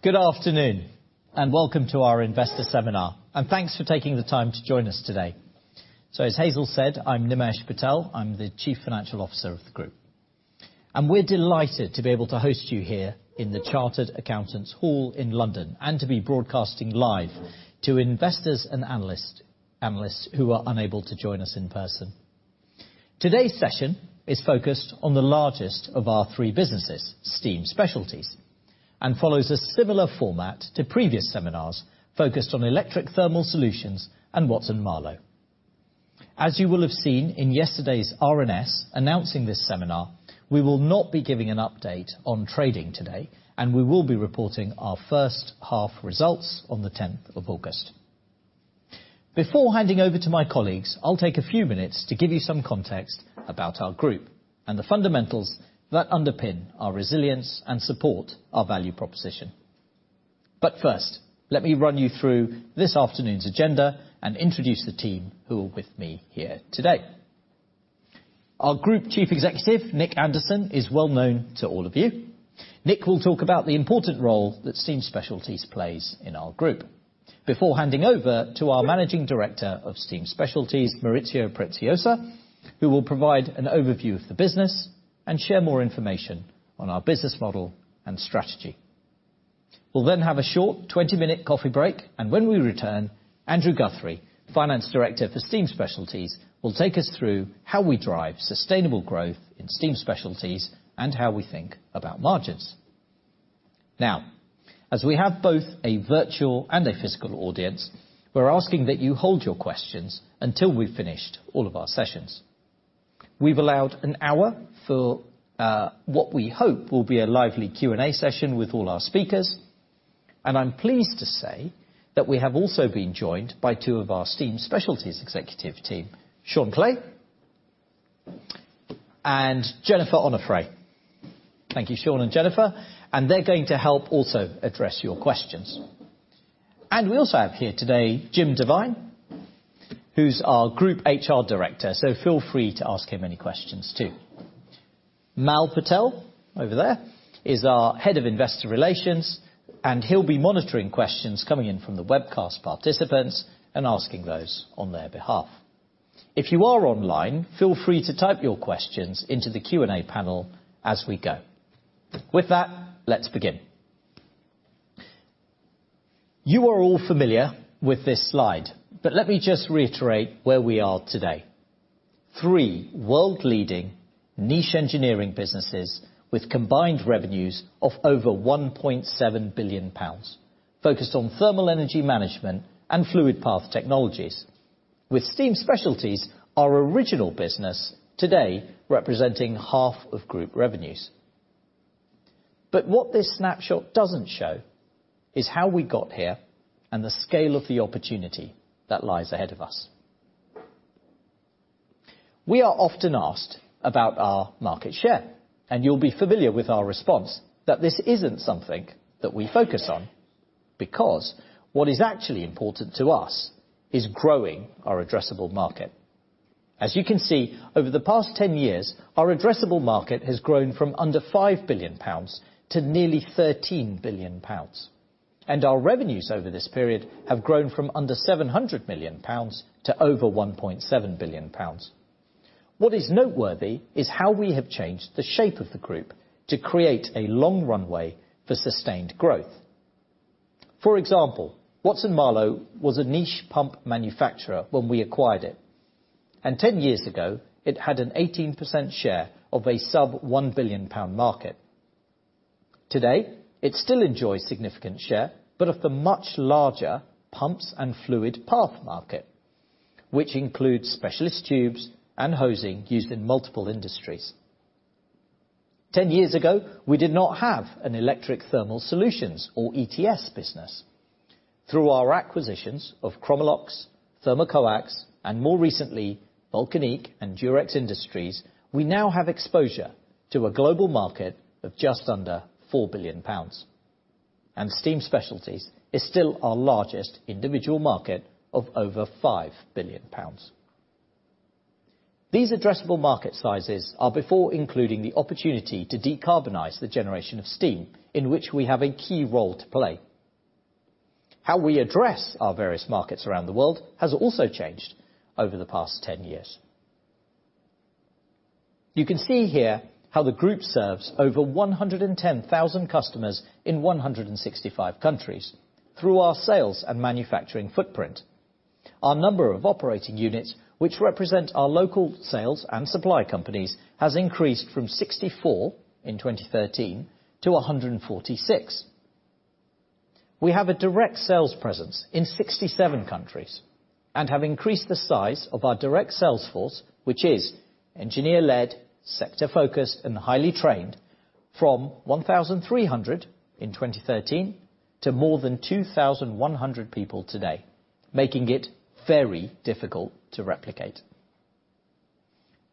Good afternoon, welcome to our investor seminar. Thanks for taking the time to join us today. As Hazel said, I'm Nimesh Patel. I'm the Chief Financial Officer of the Group. We're delighted to be able to host you here in the Chartered Accountants Hall in London, and to be broadcasting live to investors and analysts who are unable to join us in person. Today's session is focused on the largest of our three businesses, Steam Specialties, and follows a similar format to previous seminars focused on Electric Thermal Solutions and Watson-Marlow. As you will have seen in yesterday's RNS announcing this seminar, we will not be giving an update on trading today, and we will be reporting our first half results on the 10th of August. Before handing over to my colleagues, I'll take a few minutes to give you some context about our group and the fundamentals that underpin our resilience and support our value proposition. First, let me run you through this afternoon's agenda and introduce the team who are with me here today. Our Group Chief Executive, Nick Anderson, is well known to all of you. Nick will talk about the important role that Steam Specialties plays in our group before handing over to our Managing Director of Steam Specialties, Maurizio Preziosa, who will provide an overview of the business and share more information on our business model and strategy. We'll then have a short 20-minute coffee break. When we return, Andrew Guthrie, Finance Director for Steam Specialties, will take us through how we drive sustainable growth in Steam Specialties and how we think about margins. Now, as we have both a virtual and a physical audience, we're asking that you hold your questions until we've finished all of our sessions. We've allowed an hour for what we hope will be a lively Q&A session with all our speakers. I'm pleased to say that we have also been joined by two of our Steam Specialties executive team, Sean Clay and Jennifer Onofray. Thank you, Sean and Jennifer, and they're going to help also address your questions. We also have here today Jim Devine, who's our Group HR Director, so feel free to ask him any questions, too. Mal Patel, over there, is our Head of Investor Relations, and he'll be monitoring questions coming in from the webcast participants and asking those on their behalf. If you are online, feel free to type your questions into the Q&A panel as we go. With that, let's begin. You are all familiar with this slide. Let me just reiterate where we are today. Three world-leading niche engineering businesses with combined revenues of over 1.7 billion pounds, focused on thermal energy management and fluid path technologies. With Steam Specialties, our original business today representing half of Group revenues. What this snapshot doesn't show is how we got here and the scale of the opportunity that lies ahead of us. We are often asked about our market share, and you'll be familiar with our response that this isn't something that we focus on, because what is actually important to us is growing our addressable market. As you can see, over the past 10 years, our addressable market has grown from under 5 billion pounds to nearly 13 billion pounds, and our revenues over this period have grown from under 700 million pounds to over 1.7 billion pounds. What is noteworthy is how we have changed the shape of the group to create a long runway for sustained growth. For example, Watson-Marlow was a niche pump manufacturer when we acquired it, and 10 years ago it had an 18% share of a sub-GBP 1 billion market. Today, it still enjoys significant share, but of the much larger pumps and fluid path market, which includes specialist tubes and hosing used in multiple industries. 10 years ago, we did not have an Electric Thermal Solutions or ETS business. Through our acquisitions of Chromalox, Thermocoax, and more recently, Vulcanic and Durex Industries, we now have exposure to a global market of just under 4 billion pounds. Steam Specialties is still our largest individual market of over 5 billion pounds. These addressable market sizes are before including the opportunity to decarbonize the generation of steam, in which we have a key role to play. How we address our various markets around the world has also changed over the past 10 years. You can see here how the group serves over 110,000 customers in 165 countries through our sales and manufacturing footprint. Our number of operating units, which represent our local sales and supply companies, has increased from 64 in 2013 to 146. We have a direct sales presence in 67 countries and have increased the size of our direct sales force, which is engineer-led, sector-focused, and highly trained from 1,300 in 2013 to more than 2,100 people today, making it very difficult to replicate.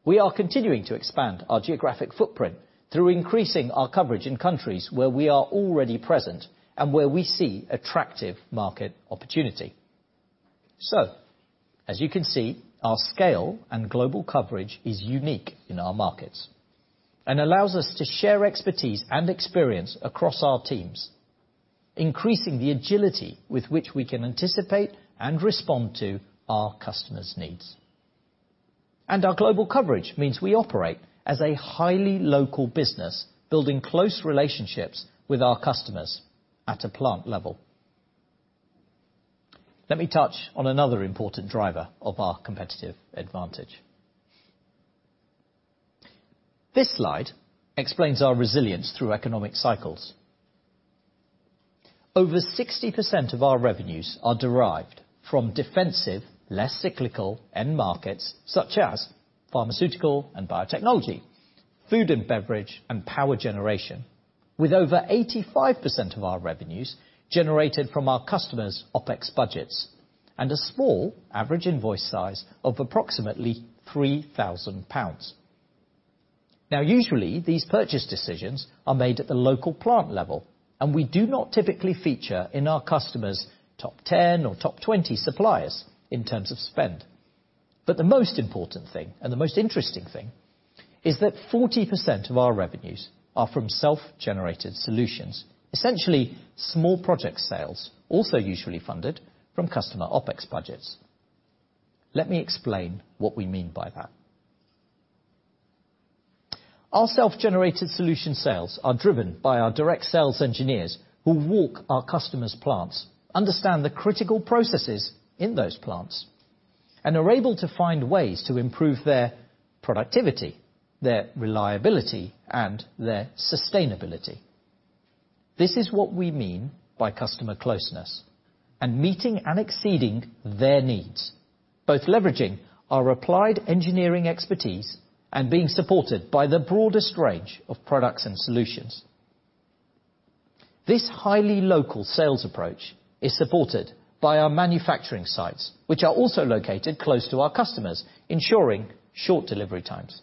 We are continuing to expand our geographic footprint through increasing our coverage in countries where we are already present and where we see attractive market opportunity. As you can see, our scale and global coverage is unique in our markets, and allows us to share expertise and experience across our teams, increasing the agility with which we can anticipate and respond to our customers' needs. Our global coverage means we operate as a highly local business, building close relationships with our customers at a plant level. Let me touch on another important driver of our competitive advantage. This slide explains our resilience through economic cycles. Over 60% of our revenues are derived from defensive, less cyclical end markets, such as pharmaceutical and biotechnology, food and beverage, and power generation, with over 85% of our revenues generated from our customers' OpEx budgets, and a small average invoice size of approximately 3,000 pounds. Usually, these purchase decisions are made at the local plant level, and we do not typically feature in our customers' top 10 or top 20 suppliers in terms of spend. The most important thing, and the most interesting thing, is that 40% of our revenues are from self-generated solutions, essentially small project sales, also usually funded from customer OpEx budgets. Let me explain what we mean by that. Our self-generated solution sales are driven by our direct sales engineers, who walk our customers' plants, understand the critical processes in those plants, and are able to find ways to improve their productivity, their reliability, and their sustainability. This is what we mean by customer closeness and meeting and exceeding their needs, both leveraging our applied engineering expertise and being supported by the broadest range of products and solutions. This highly local sales approach is supported by our manufacturing sites, which are also located close to our customers, ensuring short delivery times.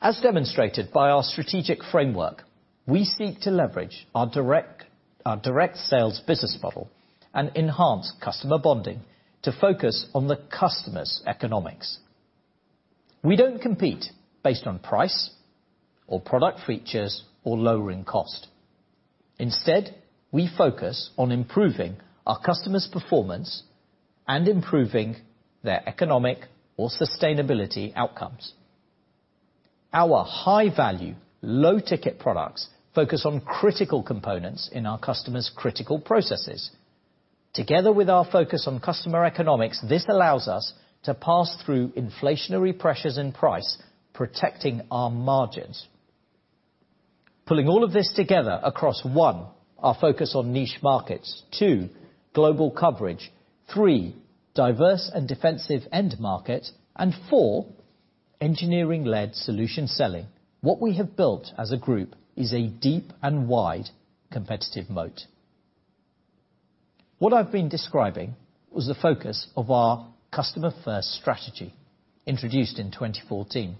As demonstrated by our strategic framework, we seek to leverage our direct sales business model and enhance customer bonding to focus on the customer's economics. We don't compete based on price or product features or lowering cost. Instead, we focus on improving our customers' performance and improving their economic or sustainability outcomes. Our high-value, low-ticket products focus on critical components in our customers' critical processes. Together with our focus on customer economics, this allows us to pass through inflationary pressures in price, protecting our margins. Pulling all of this together across, one, our focus on niche markets, two, global coverage, three, diverse and defensive end market, and four, engineering-led solution selling, what we have built as a group is a deep and wide competitive moat. What I've been describing was the focus of Customer first strategy, introduced in 2014.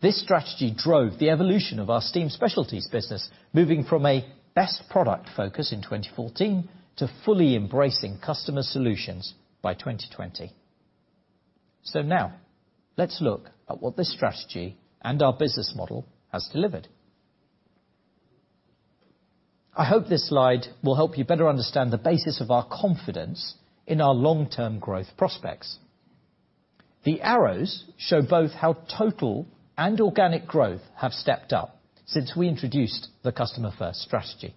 This strategy drove the evolution of our Steam Specialties business, moving from a best product focus in 2014 to fully embracing customer solutions by 2020. Now, let's look at what this strategy and our business model has delivered. I hope this slide will help you better understand the basis of our confidence in our long-term growth prospects. The arrows show both how total and organic growth have stepped up since we introduced Customer first strategy,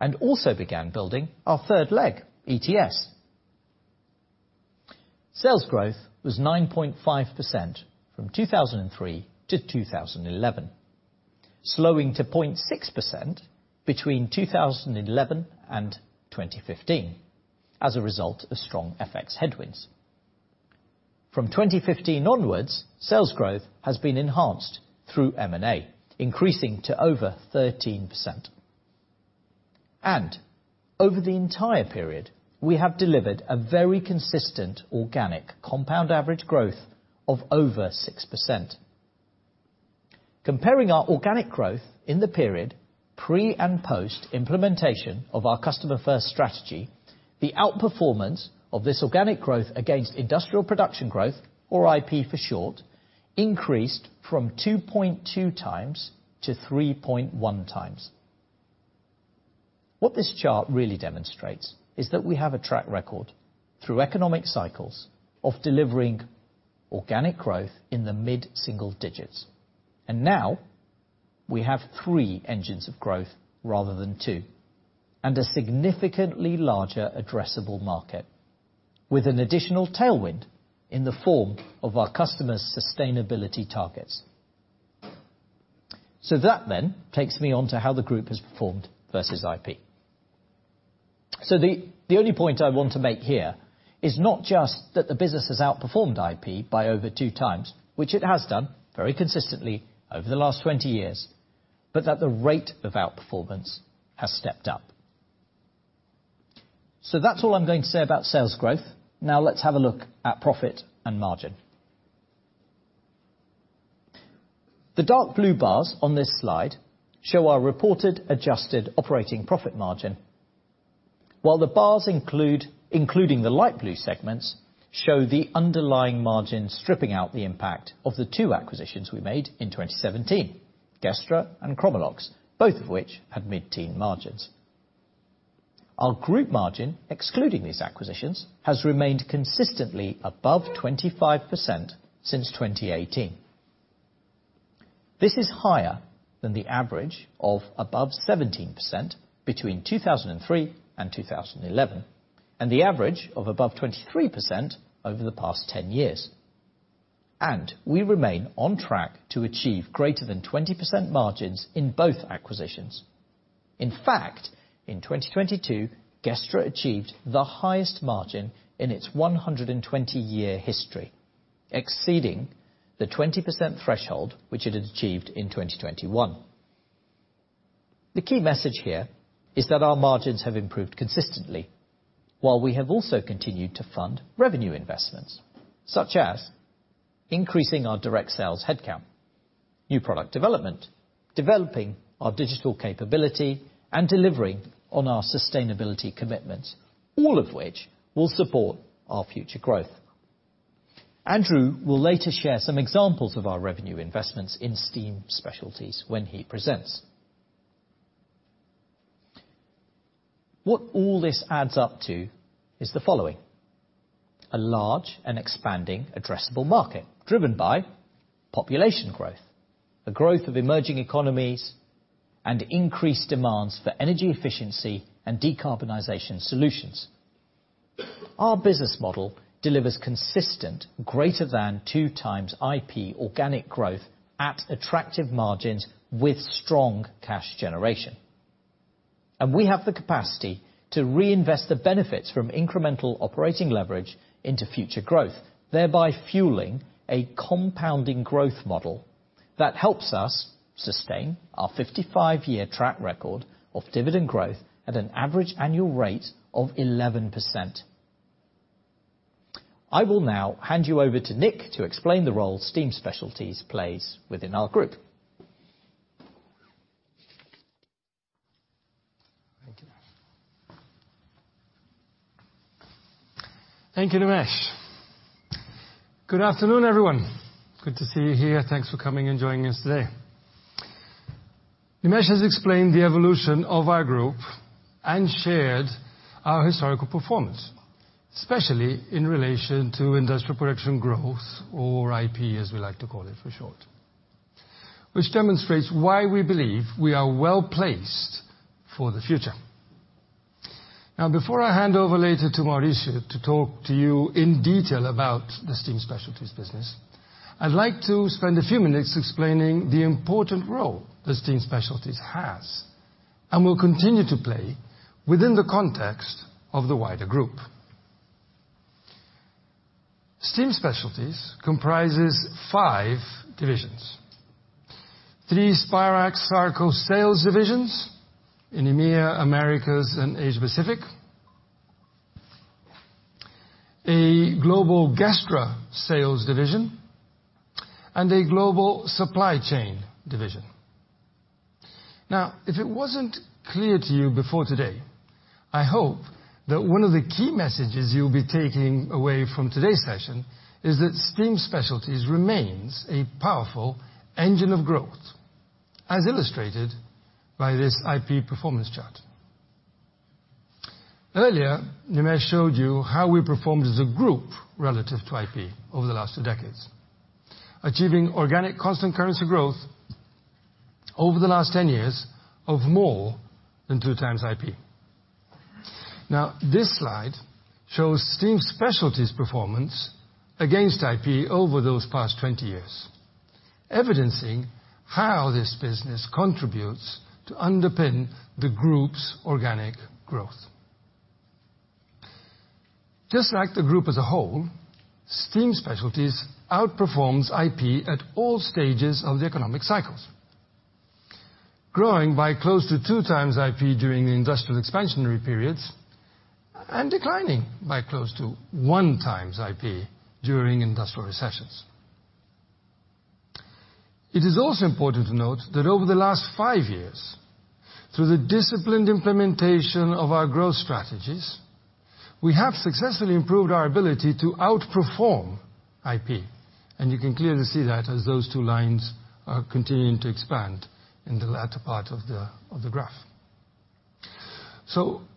and also began building our third leg, ETS. Sales growth was 9.5% from 2003 to 2011, slowing to 0.6% between 2011 and 2015, as a result of strong FX headwinds. 2015 onwards, sales growth has been enhanced through M&A, increasing to over 13%. Over the entire period, we have delivered a very consistent organic compound average growth of over 6%. Comparing our organic growth in the period, pre and post-implementation of Customer first strategy, the outperformance of this organic growth against industrial production growth, or IP for short, increased from 2.2x to 3.1x. What this chart really demonstrates is that we have a track record through economic cycles of delivering organic growth in the mid-single digits. Now, we have three engines of growth rather than two, and a significantly larger addressable market, with an additional tailwind in the form of our customers' sustainability targets. That then takes me on to how the group has performed versus IP. The only point I want to make here is not just that the business has outperformed IP by over 2x, which it has done very consistently over the last 20 years, but that the rate of outperformance has stepped up. That's all I'm going to say about sales growth. Now let's have a look at profit and margin. The dark blue bars on this slide show our reported adjusted operating profit margin, while the bars, including the light blue segments, show the underlying margin stripping out the impact of the two acquisitions we made in 2017, Gestra and Chromalox, both of which had mid-teen margins. Our group margin, excluding these acquisitions, has remained consistently above 25% since 2018. This is higher than the average of above 17% between 2003 and 2011, and the average of above 23% over the past 10 years. We remain on track to achieve greater than 20% margins in both acquisitions. In fact, in 2022, Gestra achieved the highest margin in its 120-year history, exceeding the 20% threshold, which it had achieved in 2021. The key message here is that our margins have improved consistently, while we have also continued to fund revenue investments, such as increasing our direct sales headcount, new product development, developing our digital capability, and delivering on our sustainability commitments, all of which will support our future growth. Andrew will later share some examples of our revenue investments in Steam Specialties when he presents. What all this adds up to is the following: A large and expanding addressable market, driven by population growth, the growth of emerging economies, and increased demands for energy efficiency and decarbonization solutions. Our business model delivers consistent, greater than 2x IP organic growth at attractive margins with strong cash generation. We have the capacity to reinvest the benefits from incremental operating leverage into future growth, thereby fueling a compounding growth model that helps us sustain our 55-year track record of dividend growth at an average annual rate of 11%. I will now hand you over to Nick to explain the role Steam Specialties plays within our Group. Thank you. Thank you, Nimesh. Good afternoon, everyone. Good to see you here. Thanks for coming and joining us today. Nimesh has explained the evolution of our group and shared our historical performance, especially in relation to industrial production growth, or IP, as we like to call it for short, which demonstrates why we believe we are well-placed for the future. Before I hand over later to Maurizio to talk to you in detail about the Steam Specialties business, I'd like to spend a few minutes explaining the important role that Steam Specialties has, and will continue to play, within the context of the wider group. Steam Specialties comprises five divisions: three Spirax-Sarco sales divisions in EMEA, Americas, and Asia-Pacific, a global Gestra sales division, and a global supply chain division. If it wasn't clear to you before today, I hope that one of the key messages you'll be taking away from today's session is that Steam Specialties remains a powerful engine of growth, as illustrated by this IP performance chart. Nimesh showed you how we performed as a group relative to IP over the last two decades, achieving organic constant currency growth over the last 10 years of more than 2x IP. This slide shows Steam Specialties' performance against IP over those past 20 years, evidencing how this business contributes to underpin the group's organic growth. Just like the group as a whole, Steam Specialties outperforms IP at all stages of the economic cycles, growing by close to 2x IP during the industrial expansionary periods and declining by close to 1x IP during industrial recessions. It is also important to note that over the last five years, through the disciplined implementation of our growth strategies, we have successfully improved our ability to outperform IP, and you can clearly see that as those two lines are continuing to expand in the latter part of the graph.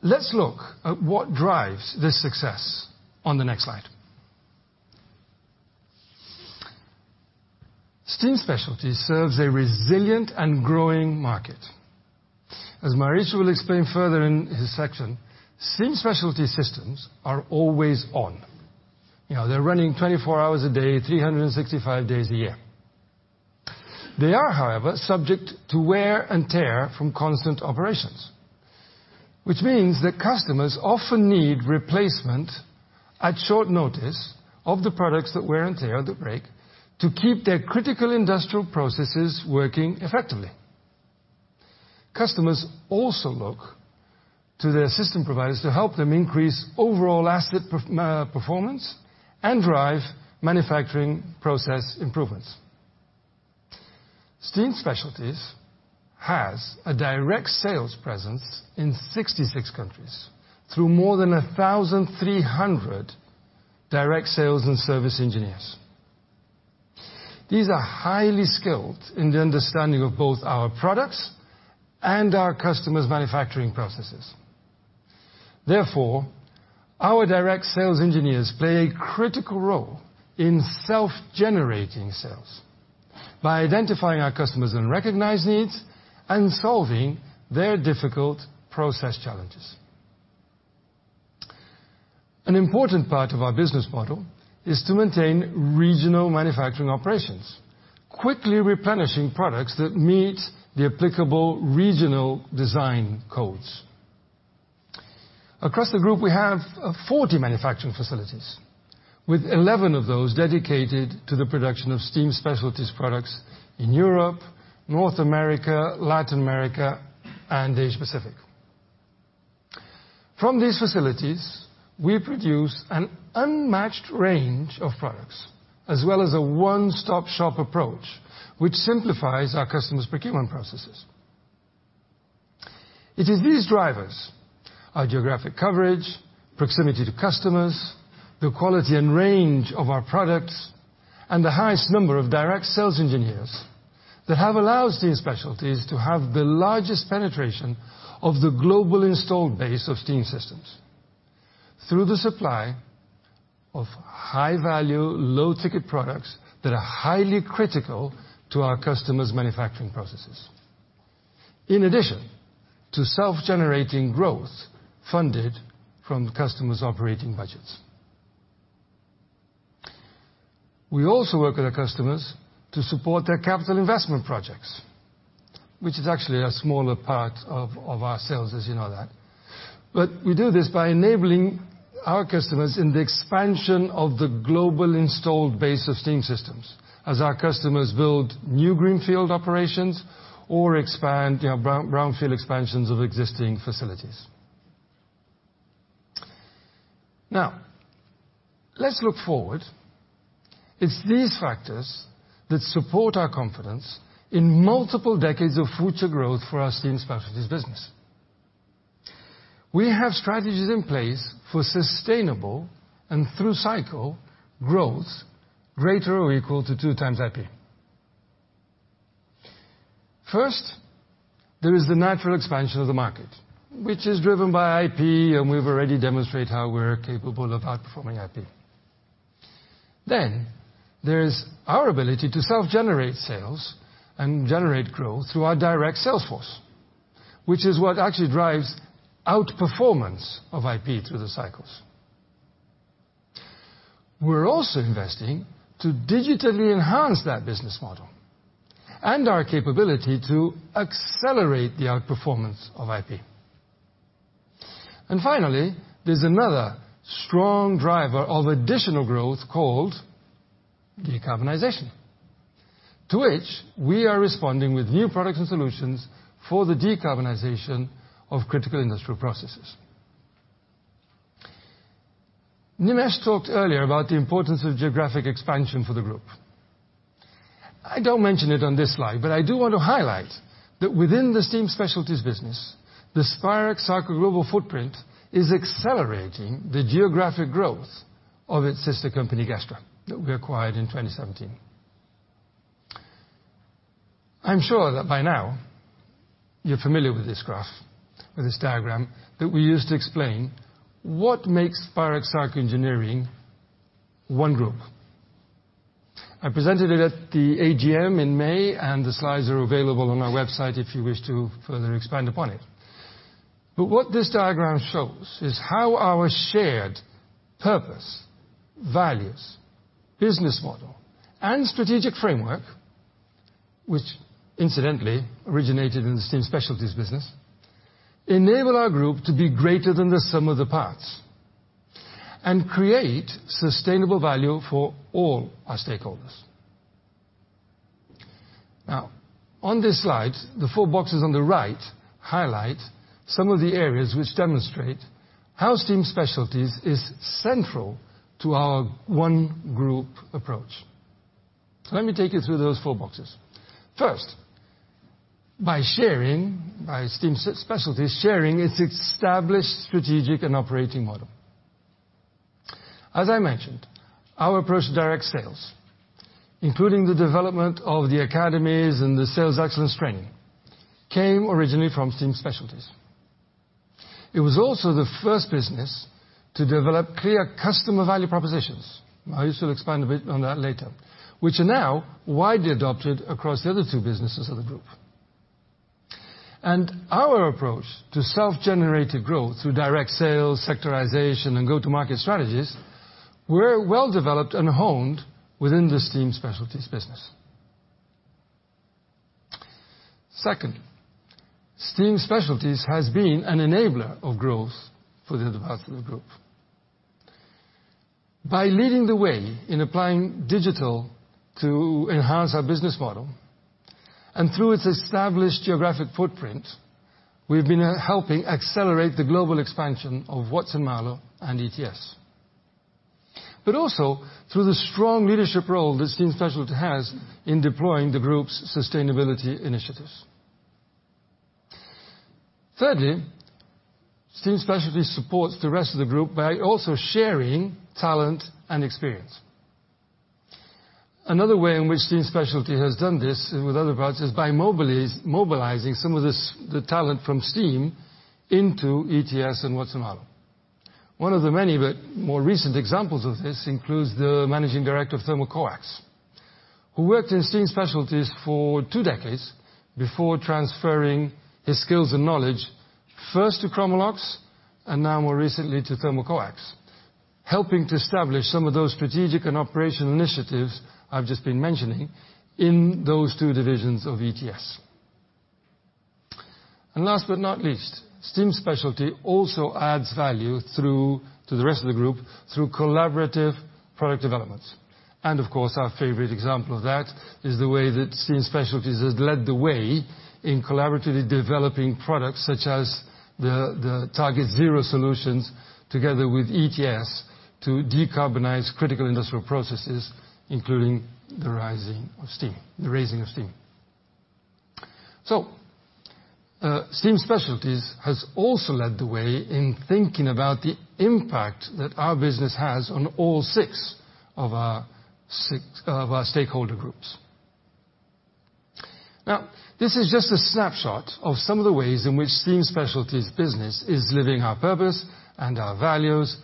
Let's look at what drives this success on the next slide. Steam Specialties serves a resilient and growing market. As Maurizio will explain further in his section, Steam Specialty systems are always on. You know, they're running 24 hours a day, 365 days a year. They are, however, subject to wear and tear from constant operations, which means that customers often need replacement at short notice of the products that wear and tear or that break, to keep their critical industrial processes working effectively. Customers also look to their system providers to help them increase overall asset performance and drive manufacturing process improvements. Steam Specialties has a direct sales presence in 66 countries through more than 1,300 direct sales and service engineers. These are highly skilled in the understanding of both our products and our customers' manufacturing processes. Therefore, our direct sales engineers play a critical role in self-generating sales, by identifying our customers and recognize needs and solving their difficult process challenges. An important part of our business model is to maintain regional manufacturing operations, quickly replenishing products that meet the applicable regional design codes. Across the group, we have 40 manufacturing facilities, with 11 of those dedicated to the production of Steam Specialties products in Europe, North America, Latin America, and Asia Pacific. From these facilities, we produce an unmatched range of products, as well as a one-stop shop approach, which simplifies our customers' procurement processes. It is these drivers, our geographic coverage, proximity to customers, the quality and range of our products, and the highest number of direct sales engineers, that have allowed Steam Specialties to have the largest penetration of the global installed base of steam systems. Through the supply of high-value, low-ticket products that are highly critical to our customers' manufacturing processes, in addition to self-generating growth funded from the customers' operating budgets. We also work with our customers to support their capital investment projects, which is actually a smaller part of our sales, as you know that. We do this by enabling our customers in the expansion of the global installed base of steam systems, as our customers build new greenfield operations or expand, you know, brownfield expansions of existing facilities. Let's look forward. It's these factors that support our confidence in multiple decades of future growth for our Steam Specialties business. We have strategies in place for sustainable and through-cycle growth, greater or equal to 2x IP. There is the natural expansion of the market, which is driven by IP, and we've already demonstrated how we're capable of outperforming IP. There is our ability to self-generate sales and generate growth through our direct sales force, which is what actually drives outperformance of IP through the cycles. We're also investing to digitally enhance that business model and our capability to accelerate the outperformance of IP. Finally, there's another strong driver of additional growth called decarbonization, to which we are responding with new products and solutions for the decarbonization of critical industrial processes. Nimesh talked earlier about the importance of geographic expansion for the group. I don't mention it on this slide, I do want to highlight that within the Steam Specialties business, the Spirax-Sarco global footprint is accelerating the geographic growth of its sister company, Gestra, that we acquired in 2017. I'm sure that by now you're familiar with this graph, with this diagram, that we use to explain what makes Spirax-Sarco Engineering one group. I presented it at the AGM in May, the slides are available on our website if you wish to further expand upon it. What this diagram shows is how our shared purpose, values, business model, and strategic framework, which incidentally originated in the Steam Specialties business, enable our group to be greater than the sum of the parts and create sustainable value for all our stakeholders. On this slide, the four boxes on the right highlight some of the areas which demonstrate how Steam Specialties is central to our one group approach. Let me take you through those four boxes. First, by Steam Specialties sharing its established strategic and operating model. As I mentioned, our approach to direct sales, including the development of the academies and the sales excellence training, came originally from Steam Specialties. It was also the first business to develop clear customer value propositions, I shall expand a bit on that later, which are now widely adopted across the other two businesses of the group. Our approach to self-generated growth through direct sales, sectorization, and go-to-market strategies were well-developed and honed within the Steam Specialties business. Second, Steam Specialties has been an enabler of growth for the rest of the Group. By leading the way in applying digital to enhance our business model, and through its established geographic footprint, we've been helping accelerate the global expansion of Watson-Marlow and ETS. Also, through the strong leadership role that Steam Specialties has in deploying the Group's sustainability initiatives. Thirdly, Steam Specialties supports the rest of the Group by also sharing talent and experience. Another way in which Steam Specialties has done this and with other parts, is by mobilizing some of the talent from Steam Specialties into ETS and Watson-Marlow. One of the many, but more recent examples of this, includes the managing director of Thermocoax, who worked in Steam Specialties for two decades before transferring his skills and knowledge first to Chromalox, and now more recently to Thermocoax. Helping to establish some of those strategic and operational initiatives I've just been mentioning in those two divisions of ETS. Last but not least, Steam Specialties also adds value through to the rest of the group through collaborative product development. Of course, our favorite example of that is the way that Steam Specialties has led the way in collaboratively developing products such as the TargetZero solutions, together with ETS, to decarbonize critical industrial processes, including the rising of steam, the raising of steam. Steam Specialties has also led the way in thinking about the impact that our business has on all six of our stakeholder groups. This is just a snapshot of some of the ways in which Steam Specialties business is living our purpose and our values,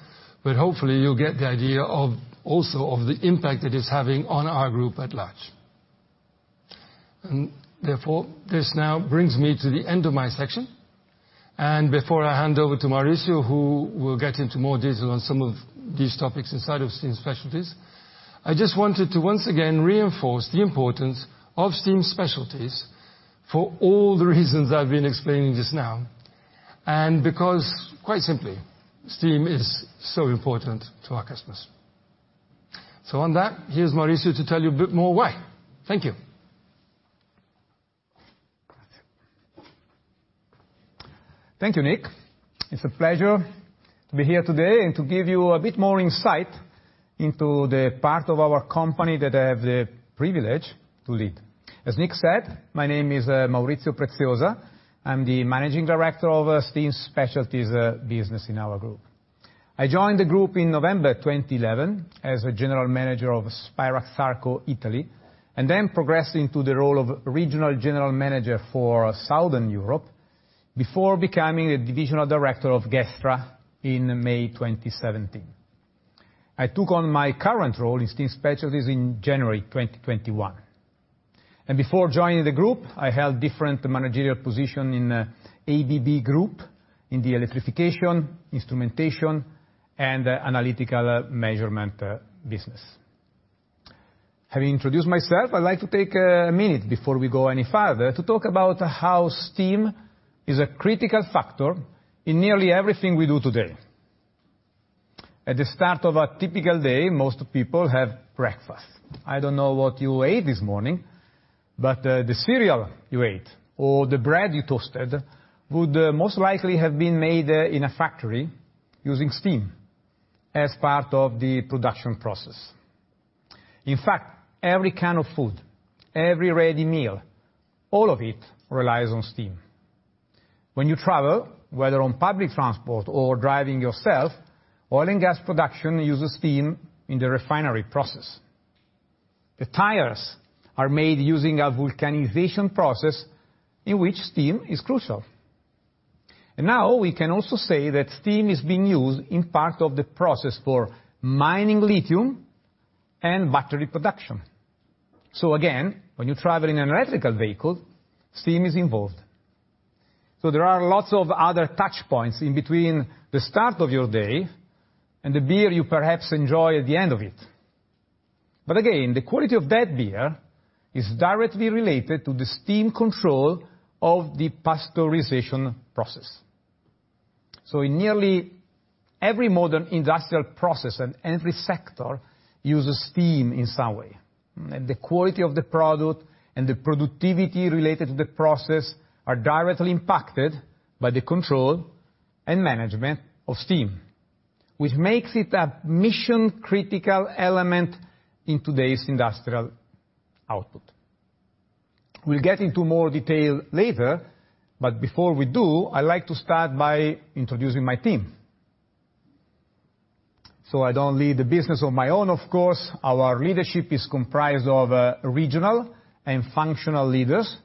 but hopefully you'll get the idea of the impact it is having on our Group at large. This now brings me to the end of my section. Before I hand over to Maurizio, who will get into more detail on some of these topics inside of Steam Specialties, I just wanted to once again reinforce the importance of Steam Specialties for all the reasons I've been explaining just now, and because, quite simply, steam is so important to our customers. On that, here's Maurizio to tell you a bit more why. Thank you. Thank you, Nick. It's a pleasure to be here today, and to give you a bit more insight into the part of our company that I have the privilege to lead. As Nick said, my name is Maurizio Preziosa. I'm the managing director of Steam Specialties business in our group. I joined the group in November 2011 as a general manager of Spirax-Sarco, Italy, then progressed into the role of regional general manager for Southern Europe, before becoming the divisional director of Gestra in May 2017. I took on my current role in Steam Specialties in January 2021. Before joining the group, I held different managerial position in ABB Group in the electrification, instrumentation, and analytical measurement business. Having introduced myself, I'd like to take a minute before we go any further, to talk about how steam is a critical factor in nearly everything we do today. At the start of a typical day, most people have breakfast. I don't know what you ate this morning, but, the cereal you ate or the bread you toasted, would most likely have been made in a factory using steam as part of the production process. In fact, every can of food, every ready meal, all of it relies on steam. When you travel, whether on public transport or driving yourself, oil and gas production uses steam in the refinery process. The tires are made using a vulcanization process in which steam is crucial. Now we can also say that steam is being used in part of the process for mining lithium and battery production. Again, when you travel in an electrical vehicle, steam is involved. There are lots of other touch points in between the start of your day and the beer you perhaps enjoy at the end of it. Again, the quality of that beer is directly related to the steam control of the pasteurization process. In nearly every modern industrial process and every sector, uses steam in some way. The quality of the product and the productivity related to the process are directly impacted by the control and management of steam, which makes it a mission-critical element in today's industrial output. We'll get into more detail later, but before we do, I'd like to start by introducing my team. I don't lead the business on my own, of course, our leadership is comprised of regional and functional leaders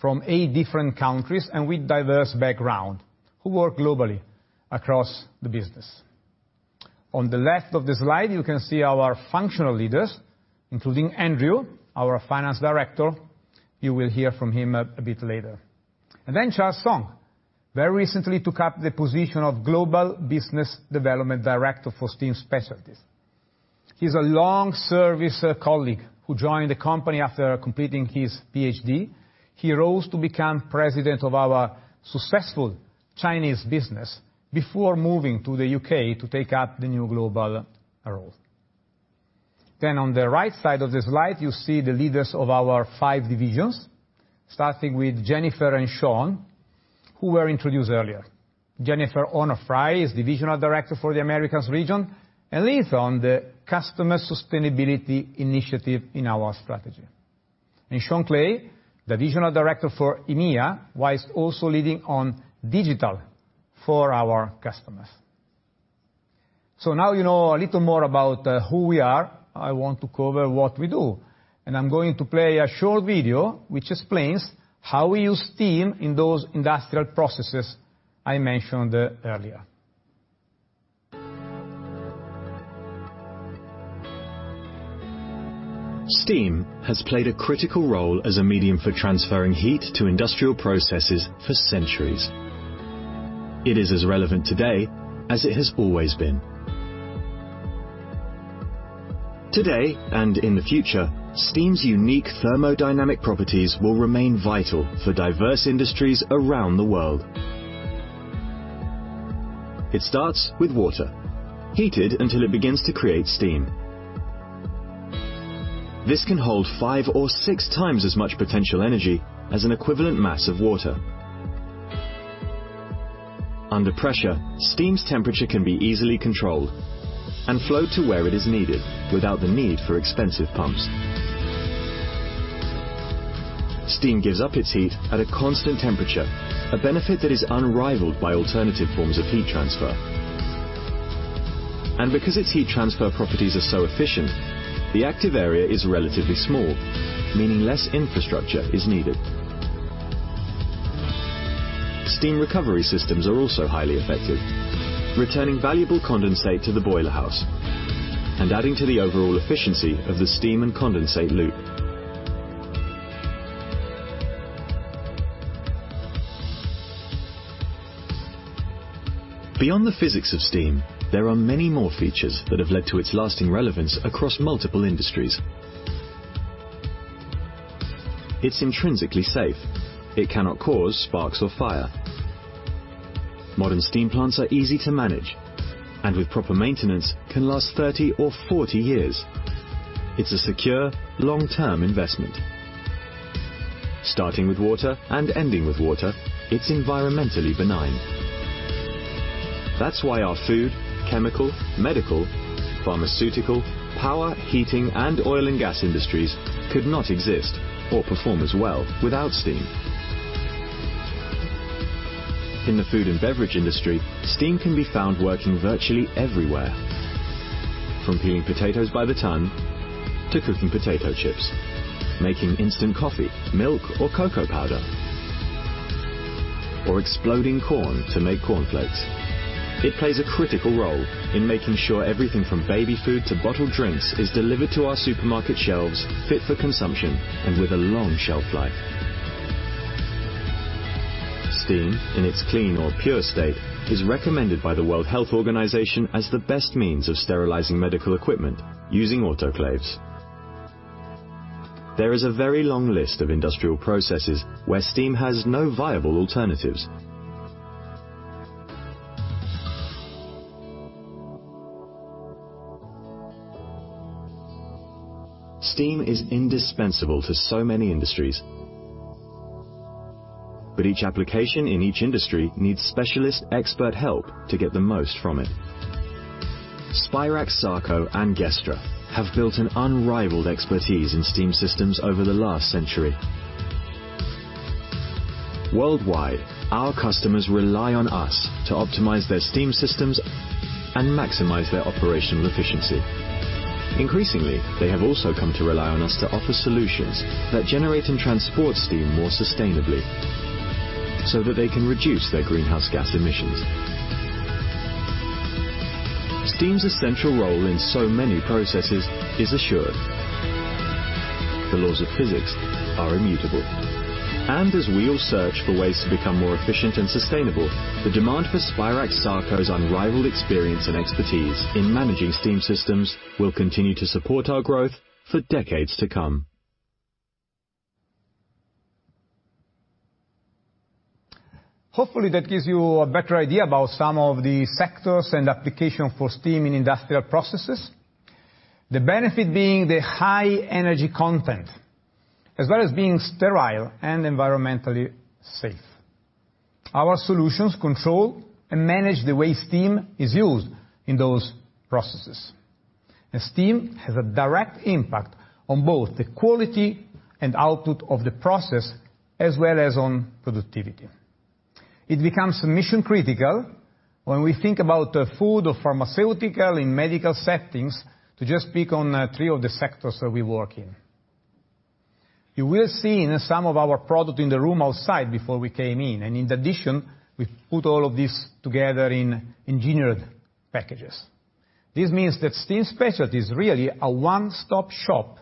from eight different countries and with diverse background, who work globally across the business. On the left of the slide, you can see our functional leaders, including Andrew, our Finance Director. You will hear from him a bit later. Charles Song, very recently took up the position of Global Business Development Director for Steam Specialties. He's a long-service colleague, who joined the company after completing his PhD. He rose to become president of our successful Chinese business before moving to the U.K. to take up the new global role. On the right side of the slide, you see the leaders of our five divisions, starting with Jennifer and Sean, who were introduced earlier. Jennifer Onofray is Divisional Director for the Americas region, and leads on the customer sustainability initiative in our strategy. Sean Clay, Divisional Director for EMEA, whilst also leading on digital for our customers. Now you know a little more about who we are, I want to cover what we do. I'm going to play a short video, which explains how we use steam in those industrial processes I mentioned earlier. Steam has played a critical role as a medium for transferring heat to industrial processes for centuries. It is as relevant today as it has always been. Today, and in the future, steam's unique thermodynamic properties will remain vital for diverse industries around the world. It starts with water, heated until it begins to create steam. This can hold five or six times as much potential energy as an equivalent mass of water. Under pressure, steam's temperature can be easily controlled and flow to where it is needed, without the need for expensive pumps. Steam gives up its heat at a constant temperature, a benefit that is unrivaled by alternative forms of heat transfer. Because its heat transfer properties are so efficient, the active area is relatively small, meaning less infrastructure is needed. Steam recovery systems are also highly effective, returning valuable condensate to the boiler house and adding to the overall efficiency of the steam and condensate loop. Beyond the physics of steam, there are many more features that have led to its lasting relevance across multiple industries. It's intrinsically safe. It cannot cause sparks or fire. Modern steam plants are easy to manage, and with proper maintenance, can last 30 or 40 years. It's a secure, long-term investment. Starting with water and ending with water, it's environmentally benign. That's why our food, chemical, medical, pharmaceutical, power, heating, and oil and gas industries could not exist or perform as well without steam. In the food and beverage industry, steam can be found working virtually everywhere, from peeling potatoes by the ton to cooking potato chips, making instant coffee, milk, or cocoa powder, or exploding corn to make cornflakes. It plays a critical role in making sure everything from baby food to bottled drinks is delivered to our supermarket shelves, fit for consumption, and with a long shelf life. Steam, in its clean or pure state, is recommended by the World Health Organization as the best means of sterilizing medical equipment using autoclaves. There is a very long list of industrial processes where steam has no viable alternatives. Steam is indispensable to so many industries. Each application in each industry needs specialist expert help to get the most from it. Spirax-Sarco and Gestra have built an unrivaled expertise in steam systems over the last century. Worldwide, our customers rely on us to optimize their steam systems and maximize their operational efficiency. Increasingly, they have also come to rely on us to offer solutions that generate and transport steam more sustainably, so that they can reduce their greenhouse gas emissions. Steam's essential role in so many processes is assured. The laws of physics are immutable. As we all search for ways to become more efficient and sustainable, the demand for Spirax-Sarco's unrivaled experience and expertise in managing steam systems will continue to support our growth for decades to come. Hopefully, that gives you a better idea about some of the sectors and application for steam in industrial processes. The benefit being the high energy content, as well as being sterile and environmentally safe. Our solutions control and manage the way steam is used in those processes. Steam has a direct impact on both the quality and output of the process, as well as on productivity. It becomes mission critical when we think about the food or pharmaceutical in medical settings, to just pick on three of the sectors that we work in. You will see in some of our product in the room outside before we came in, and in addition, we put all of this together in engineered packages. This means that Steam Specialties is really a one-stop shop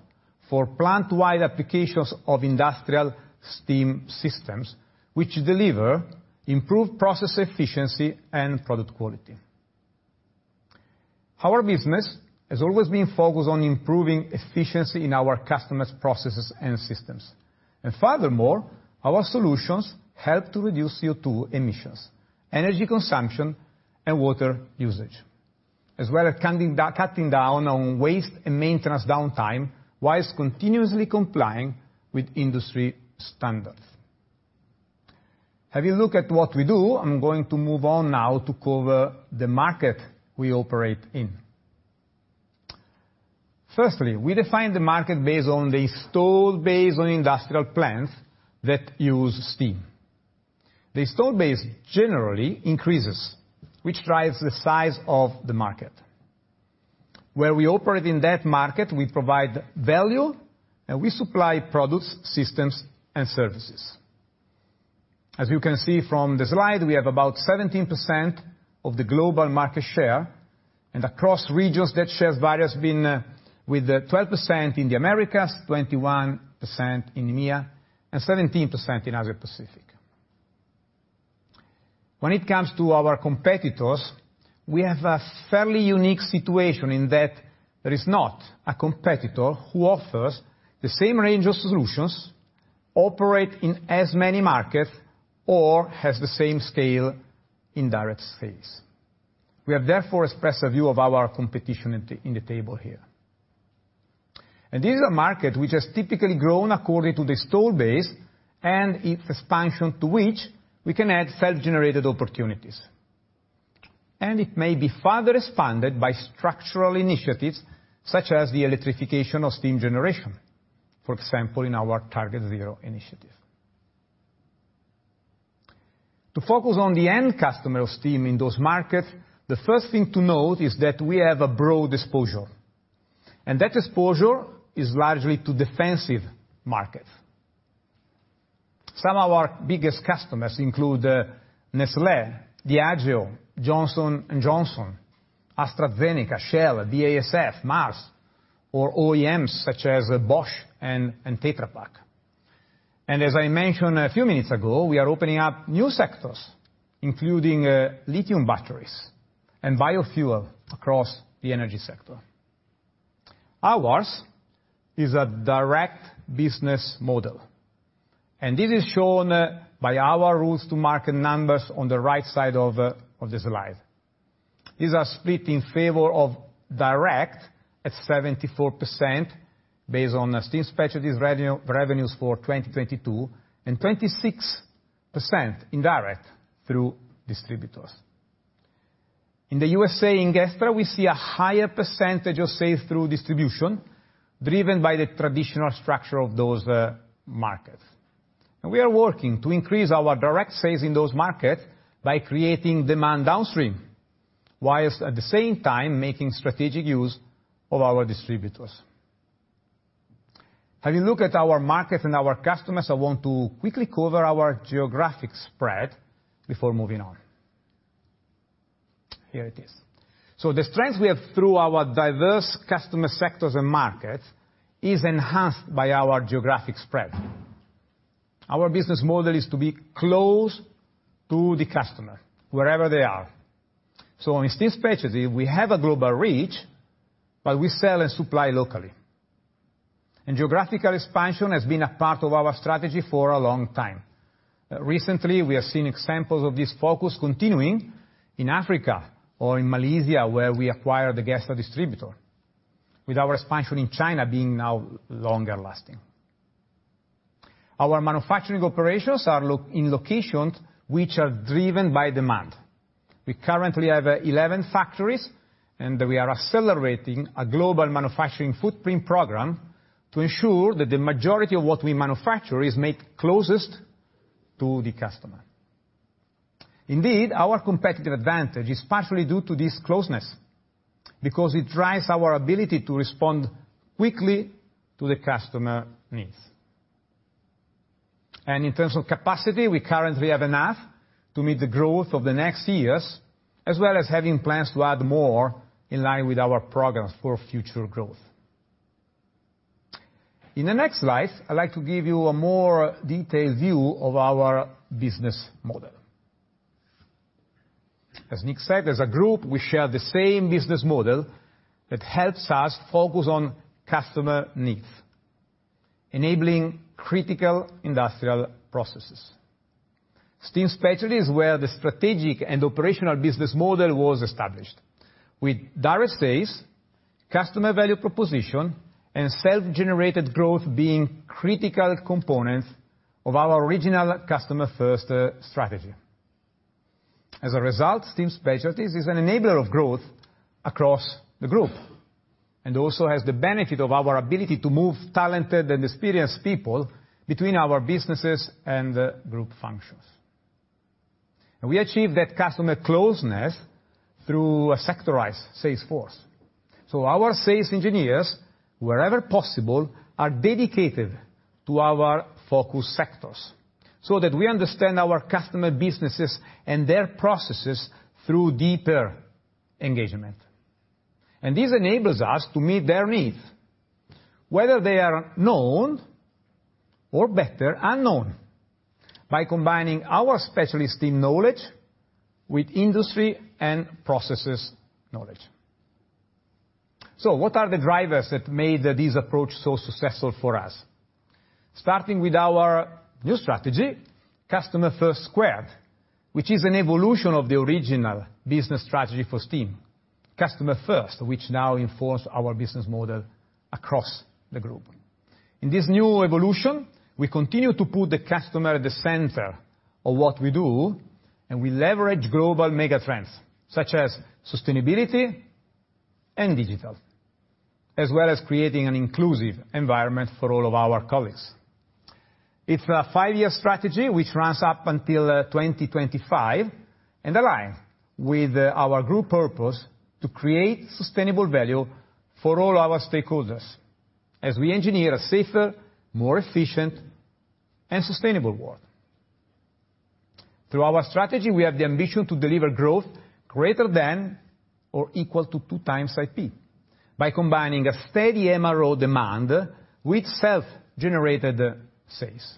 for plant-wide applications of industrial steam systems, which deliver improved process efficiency and product quality. Our business has always been focused on improving efficiency in our customers' processes and systems. Furthermore, our solutions help to reduce CO2 emissions, energy consumption, and water usage, as well as cutting down on waste and maintenance downtime, while continuously complying with industry standards. Having a look at what we do, I'm going to move on now to cover the market we operate in. Firstly, we define the market based on the installed base on industrial plants that use steam. The installed base generally increases, which drives the size of the market. Where we operate in that market, we provide value, and we supply products, systems, and services. As you can see from the slide, we have about 17% of the global market share. Across regions, that share varies been with 12% in the Americas, 21% in EMEA, and 17% in Asia Pacific. When it comes to our competitors, we have a fairly unique situation in that there is not a competitor who offers the same range of solutions, operate in as many markets, or has the same scale in direct sales. We have therefore expressed a view of our competition in the table here. This is a market which has typically grown according to the installed base and its expansion, to which we can add self-generated opportunities. It may be further expanded by structural initiatives, such as the electrification of steam generation, for example, in our TargetZero initiative. To focus on the end customer of steam in those markets, the first thing to note is that we have a broad exposure, and that exposure is largely to defensive markets. Some of our biggest customers include Nestlé, Diageo, Johnson & Johnson, AstraZeneca, Shell, BASF, Mars, or OEMs such as Bosch and Tetra Pak. As I mentioned a few minutes ago, we are opening up new sectors, including lithium batteries and biofuel across the energy sector. Ours is a direct business model, this is shown by our rules to market numbers on the right side of the slide. These are split in favor of direct, at 74%, based on Steam Specialties revenues for 2022, and 26% indirect through distributors. In the U.S.A. and Gestra, we see a higher percentage of sales through distribution, driven by the traditional structure of those markets. We are working to increase our direct sales in those markets by creating demand downstream, while at the same time making strategic use of our distributors. Having looked at our market and our customers, I want to quickly cover our geographic spread before moving on. Here it is. The strength we have through our diverse customer sectors and markets is enhanced by our geographic spread. Our business model is to be close to the customer, wherever they are. In Steam Specialties, we have a global reach, but we sell and supply locally. Geographical expansion has been a part of our strategy for a long time. Recently, we have seen examples of this focus continuing in Africa or in Malaysia, where we acquired the gas distributor, with our expansion in China being now longer lasting. Our manufacturing operations are in locations which are driven by demand. We currently have 11 factories. We are accelerating a global manufacturing footprint program to ensure that the majority of what we manufacture is made closest to the customer. Indeed, our competitive advantage is partially due to this closeness, because it drives our ability to respond quickly to the customer needs. In terms of capacity, we currently have enough to meet the growth of the next years, as well as having plans to add more in line with our progress for future growth. In the next slide, I'd like to give you a more detailed view of our business model. As Nick said, as a group, we share the same business model that helps us focus on customer needs, enabling critical industrial processes. Steam Specialties is where the strategic and operational business model was established, with direct sales, customer value proposition, and self-generated growth being critical components of our original Customer first strategy. As a result, Steam Specialties is an enabler of growth across the group, also has the benefit of our ability to move talented and experienced people between our businesses and the group functions. We achieve that customer closeness through a sectorized sales force. Our sales engineers, wherever possible, are dedicated to our focus sectors, so that we understand our customer businesses and their processes through deeper engagement. This enables us to meet their needs, whether they are known or better, unknown, by combining our specialist team knowledge with industry and processes knowledge. What are the drivers that made this approach so successful for us? Starting with our new Customer first squared, which is an evolution of the original business strategy for Steam, Customer first, which now informs our business model across the Group. In this new evolution, we continue to put the customer at the center of what we do, and we leverage global mega trends, such as sustainability and digital, as well as creating an inclusive environment for all of our colleagues. It's a five-year strategy, which runs up until 2025, and align with our Group purpose to create sustainable value for all our stakeholders as we engineer a safer, more efficient, and sustainable world. Through our strategy, we have the ambition to deliver growth greater than or equal to 2x IP, by combining a steady MRO demand with self-generated sales.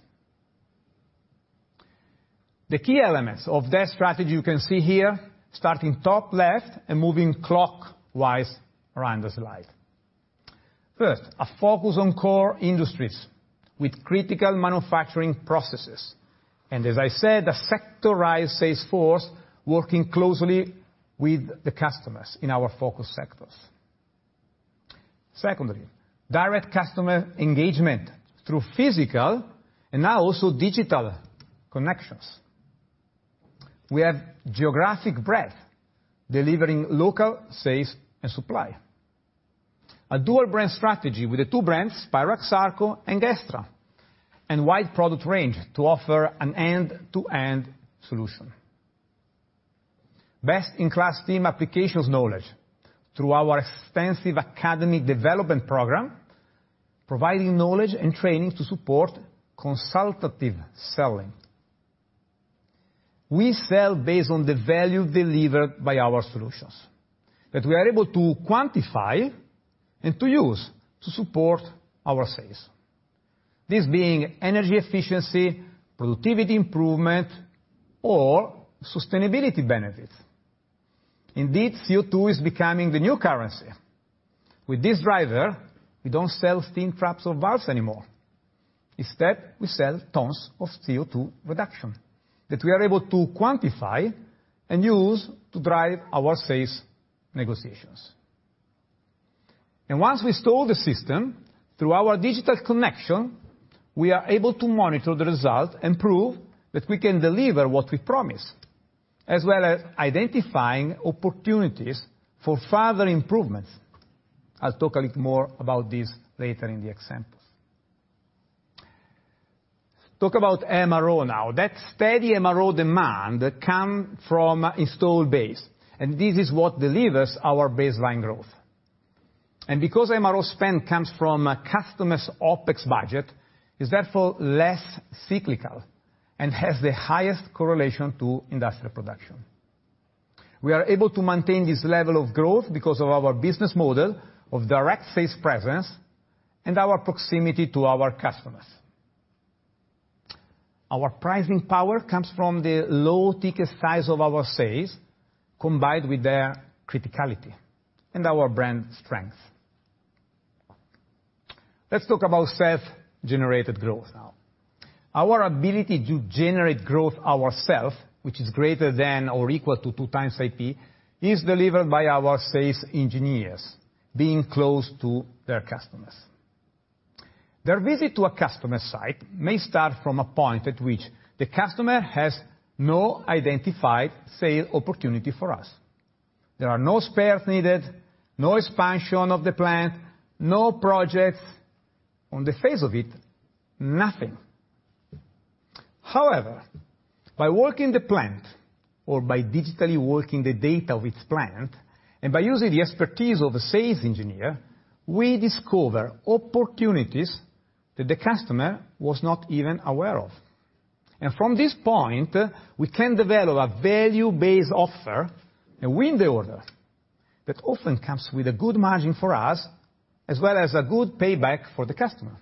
The key elements of that strategy you can see here, starting top left and moving clockwise around the slide. First, a focus on core industries with critical manufacturing processes, and as I said, a sectorialized sales force working closely with the customers in our focus sectors. Secondly, direct customer engagement through physical and now also digital connections. We have geographic breadth, delivering local sales and supply. A dual brand strategy with the two brands, Spirax-Sarco and Gestra, and wide product range to offer an an end-to-end solution. Best-in-class team applications knowledge through our extensive academy development program, providing knowledge and training to support consultative selling. We sell based on the value delivered by our solutions, that we are able to quantify and to use to support our sales. This being energy efficiency, productivity improvement, or sustainability benefits. Indeed, CO2 is becoming the new currency. With this driver, we don't sell steam traps or valves anymore. Instead, we sell tons of CO2 reduction that we are able to quantify and use to drive our sales negotiations. Once we install the system, through our digital connection, we are able to monitor the result and prove that we can deliver what we promise, as well as identifying opportunities for further improvements. I'll talk a little more about this later in the examples. Talk about MRO now. That steady MRO demand come from installed base, and this is what delivers our baseline growth. Because MRO spend comes from a customer's OpEx budget, is therefore less cyclical and has the highest correlation to industrial production. We are able to maintain this level of growth because of our business model of direct sales presence and our proximity to our customers. Our pricing power comes from the low ticket size of our sales, combined with their criticality and our brand strength. Let's talk about self-generated growth now. Our ability to generate growth ourself, which is greater than or equal to 2x IP, is delivered by our sales engineers being close to their customers. Their visit to a customer site may start from a point at which the customer has no identified sale opportunity for us. There are no spares needed, no expansion of the plant, no projects. On the face of it, nothing. By working the plant or by digitally walking the data with plant, and by using the expertise of a sales engineer, we discover opportunities that the customer was not even aware of. From this point, we can develop a value-based offer and win the order, that often comes with a good margin for us, as well as a good payback for the customer.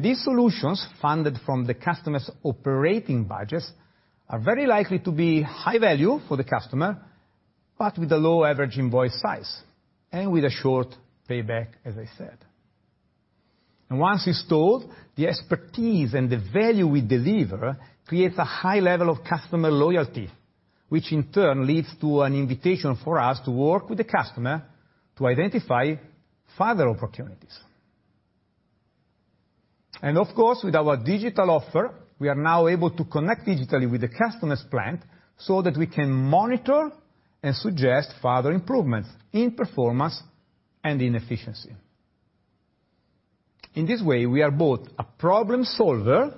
These solutions, funded from the customer's operating budgets, are very likely to be high value for the customer, but with a low average invoice size and with a short payback, as I said. Once installed, the expertise and the value we deliver creates a high level of customer loyalty, which in turn leads to an invitation for us to work with the customer to identify further opportunities. Of course, with our digital offer, we are now able to connect digitally with the customer's plant so that we can monitor and suggest further improvements in performance and in efficiency. In this way, we are both a problem solver,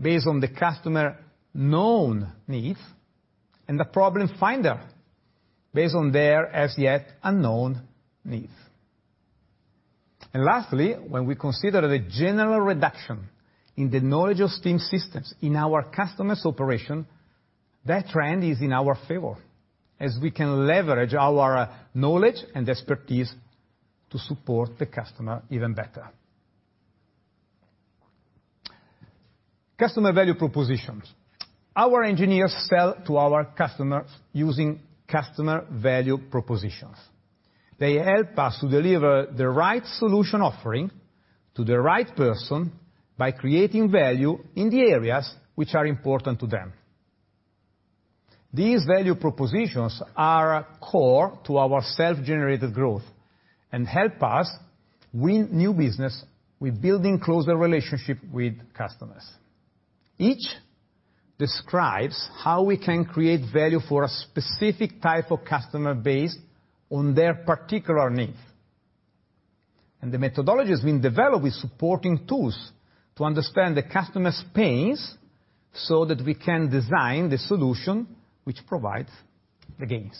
based on the customer known needs, and a problem finder, based on their as-yet-unknown needs. Lastly, when we consider the general reduction in the knowledge of steam systems in our customer's operation. That trend is in our favor, as we can leverage our knowledge and expertise to support the customer even better. Customer value propositions. Our engineers sell to our customers using customer value propositions. They help us to deliver the right solution offering to the right person, by creating value in the areas which are important to them. These value propositions are core to our self-generated growth, and help us win new business with building closer relationship with customers. Each describes how we can create value for a specific type of customer base on their particular needs. The methodology has been developed with supporting tools to understand the customer's pains, so that we can design the solution which provides the gains.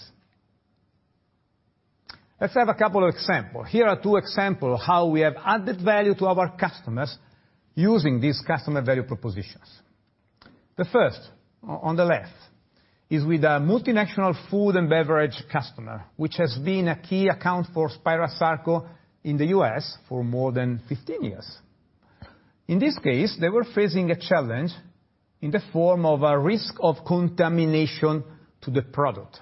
Let's have a couple of examples. Here are two example of how we have added value to our customers using these customer value propositions. The first, on the left, is with a multinational food and beverage customer, which has been a key account for Spirax-Sarco in the U.S. for more than 15 years. In this case, they were facing a challenge in the form of a risk of contamination to the product,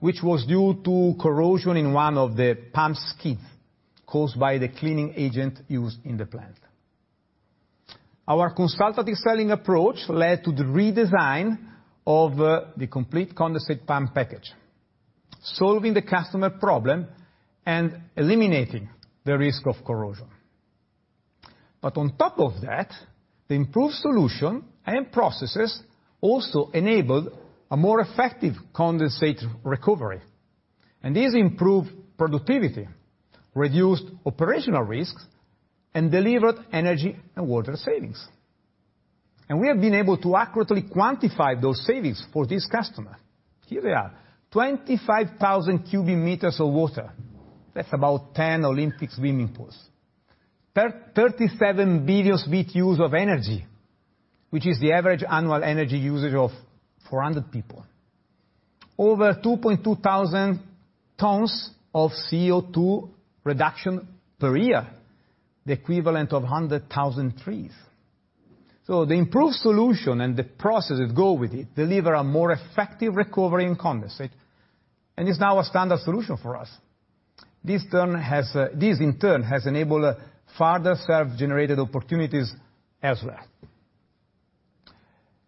which was due to corrosion in one of the pump skid, caused by the cleaning agent used in the plant. Our consultative selling approach led to the redesign of the complete condensate pump package, solving the customer problem and eliminating the risk of corrosion. On top of that, the improved solution and processes also enabled a more effective condensate recovery, and this improved productivity, reduced operational risks, and delivered energy and water savings. We have been able to accurately quantify those savings for this customer. Here they are: 25,000 cu m of water. That's about 10 Olympic swimming pools. 37 billion BTUs of energy, which is the average annual energy usage of 400 people. Over 2,200 tons of CO2 reduction per year, the equivalent of 100,000 trees. The improved solution and the processes go with it, deliver a more effective recovery in condensate, and is now a standard solution for us. This, in turn, has enabled further self-generated opportunities as well.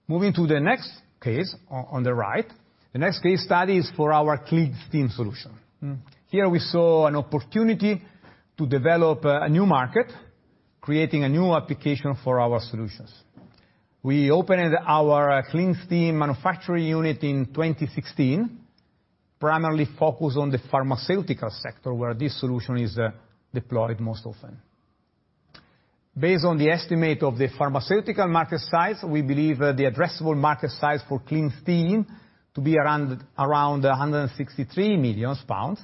Moving to the next case on the right. The next case study is for our clean steam solution. Here we saw an opportunity to develop a new market, creating a new application for our solutions. We opened our clean steam manufacturing unit in 2016, primarily focused on the pharmaceutical sector, where this solution is deployed most often. Based on the estimate of the pharmaceutical market size, we believe that the addressable market size for clean steam to be around 163 million pounds,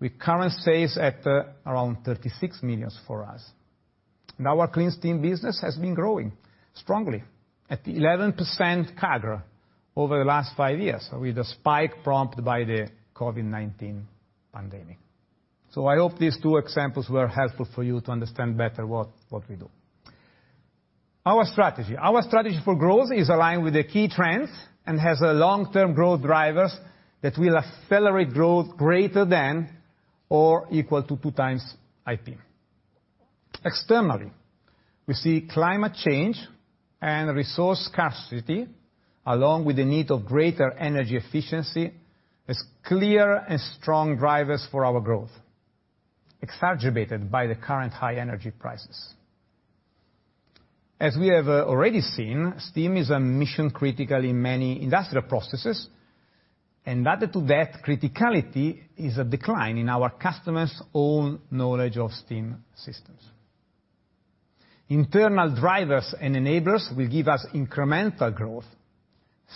with current sales at around 36 million for us. Our clean steam business has been growing strongly at 11% CAGR over the last five years, with a spike prompted by the COVID-19 pandemic. I hope these two examples were helpful for you to understand better what we do. Our strategy. Our strategy for growth is aligned with the key trends, and has a long-term growth drivers that will accelerate growth greater than or equal to 2x IP. Externally, we see climate change and resource scarcity, along with the need of greater energy efficiency, as clear and strong drivers for our growth, exacerbated by the current high energy prices. As we have already seen, steam is mission-critical in many industrial processes, and added to that criticality is a decline in our customers' own knowledge of steam systems. Internal drivers and enablers will give us incremental growth,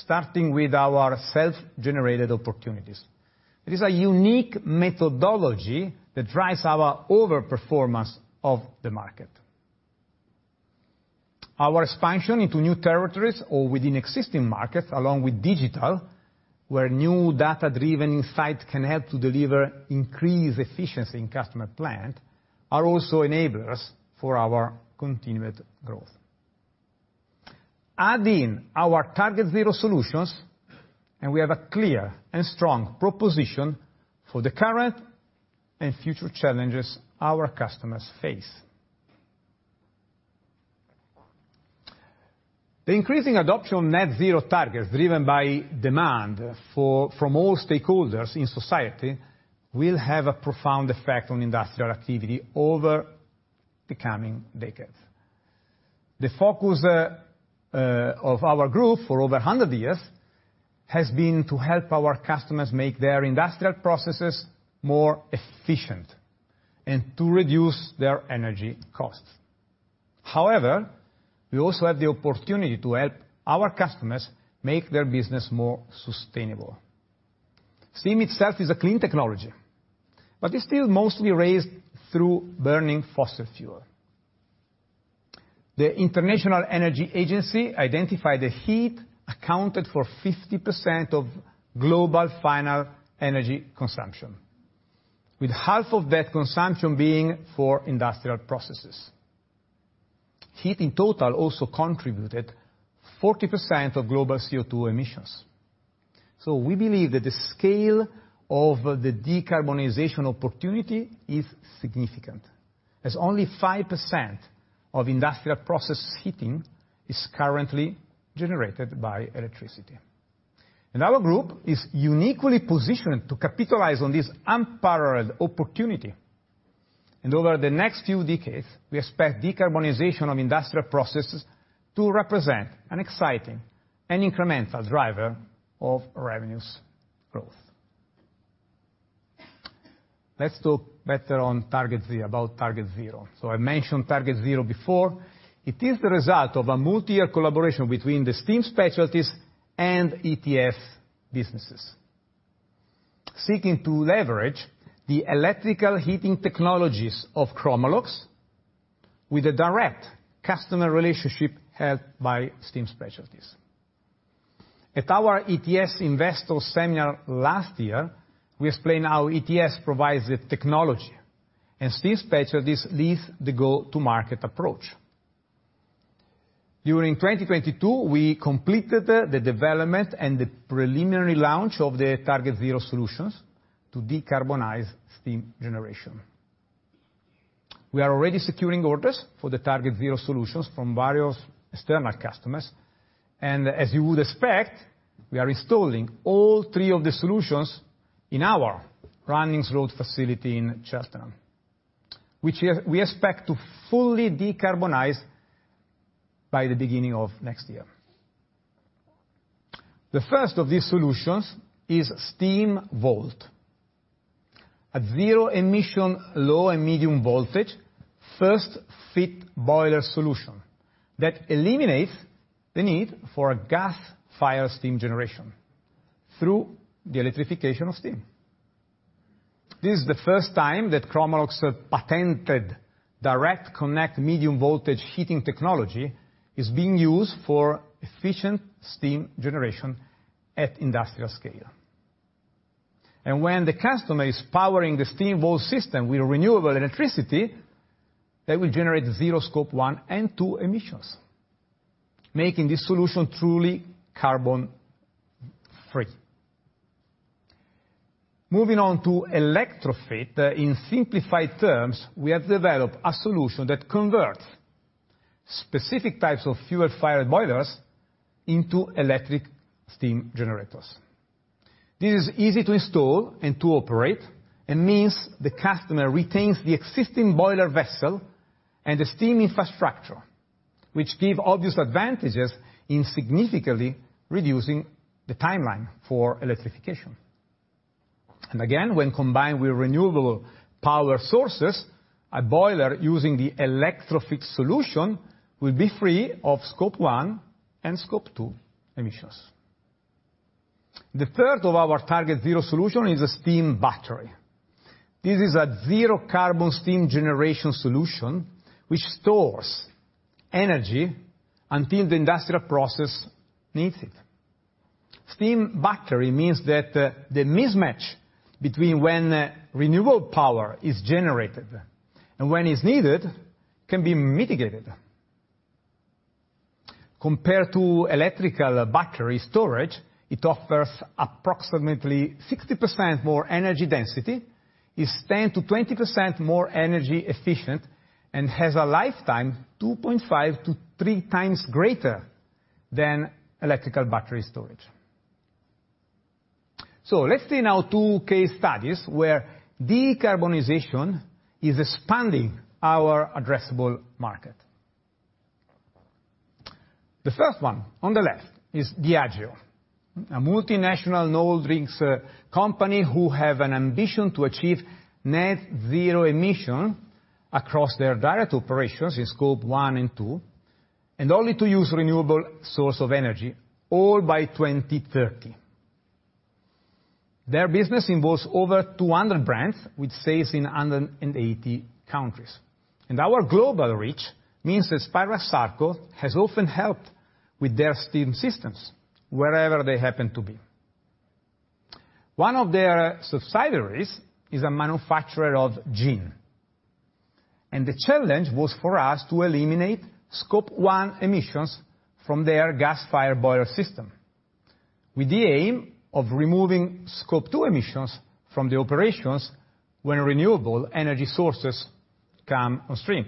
starting with our self-generated opportunities. It is a unique methodology that drives our overperformance of the market. Our expansion into new territories or within existing markets, along with digital, where new data-driven insight can help to deliver increased efficiency in customer plant, are also enablers for our continued growth. Add in our net zero solutions, and we have a clear and strong proposition for the current and future challenges our customers face. The increasing adoption of net zero targets, driven by demand from all stakeholders in society, will have a profound effect on industrial activity over the coming decades. The focus of our group for over 100 years, has been to help our customers make their industrial processes more efficient and to reduce their energy costs. However, we also have the opportunity to help our customers make their business more sustainable. Steam itself is a clean technology, but it's still mostly raised through burning fossil fuel. The International Energy Agency identified that heat accounted for 50% of global final energy consumption, with half of that consumption being for industrial processes. Heat, in total, also contributed 40% of global CO2 emissions. We believe that the scale of the decarbonization opportunity is significant, as only 5% of industrial process heating is currently generated by electricity. Our group is uniquely positioned to capitalize on this unparalleled opportunity. Over the next few decades, we expect decarbonization of industrial processes to represent an exciting and incremental driver of revenues growth. Let's talk better on TargetZero, about TargetZero. I mentioned TargetZero before. It is the result of a multi-year collaboration between the Steam Specialties and ETS businesses, seeking to leverage the electrical heating technologies of Chromalox with a direct customer relationship held by Steam Specialties. At our ETS Investor Seminar last year, we explained how ETS provides the technology, and Steam Specialties leads the go-to-market approach. During 2022, we completed the development and the preliminary launch of the TargetZero solutions to decarbonize steam generation. We are already securing orders for the TargetZero solutions from various external customers, as you would expect, we expect to fully decarbonize by the beginning of next year. The first of these solutions is SteamVolt, a zero-emission, low and medium voltage, first fit boiler solution that eliminates the need for a gas-fired steam generation through the electrification of steam. This is the first time that Chromalox patented DirectConnect medium voltage heating technology is being used for efficient steam generation at industrial scale. When the customer is powering the SteamVolt system with renewable electricity, they will generate zero scope 1 and 2 emissions, making this solution truly carbon-free. Moving on to ElectroFit. In simplified terms, we have developed a solution that converts specific types of fuel-fired boilers into electric steam generators. This is easy to install and to operate, means the customer retains the existing boiler vessel and the steam infrastructure, which give obvious advantages in significantly reducing the timeline for electrification. Again, when combined with renewable power sources, a boiler using the ElectroFit solution will be free of scope 1 and scope 2 emissions. The third of our TargetZero solution is a Steam Battery. This is a zero carbon steam generation solution, which stores energy until the industrial process needs it. Steam Battery means that the mismatch between when renewable power is generated and when it's needed can be mitigated. Compared to electrical battery storage, it offers approximately 60% more energy density, is 10%-20% more energy efficient, and has a lifetime 2.5-3 times greater than electrical battery storage. Let's see now two case studies where decarbonization is expanding our addressable market. The first one on the left is Diageo, a multinational no drinks company who have an ambition to achieve net zero emission across their direct operations in scope 1 and 2, and only to use renewable source of energy, all by 2030. Their business involves over 200 brands, with sales in 180 countries. Our global reach means that Spirax-Sarco has often helped with their steam systems wherever they happen to be. One of their subsidiaries is a manufacturer of gin, the challenge was for us to eliminate scope 1 emissions from their gas-fired boiler system, with the aim of removing scope 2 emissions from the operations when renewable energy sources come on stream.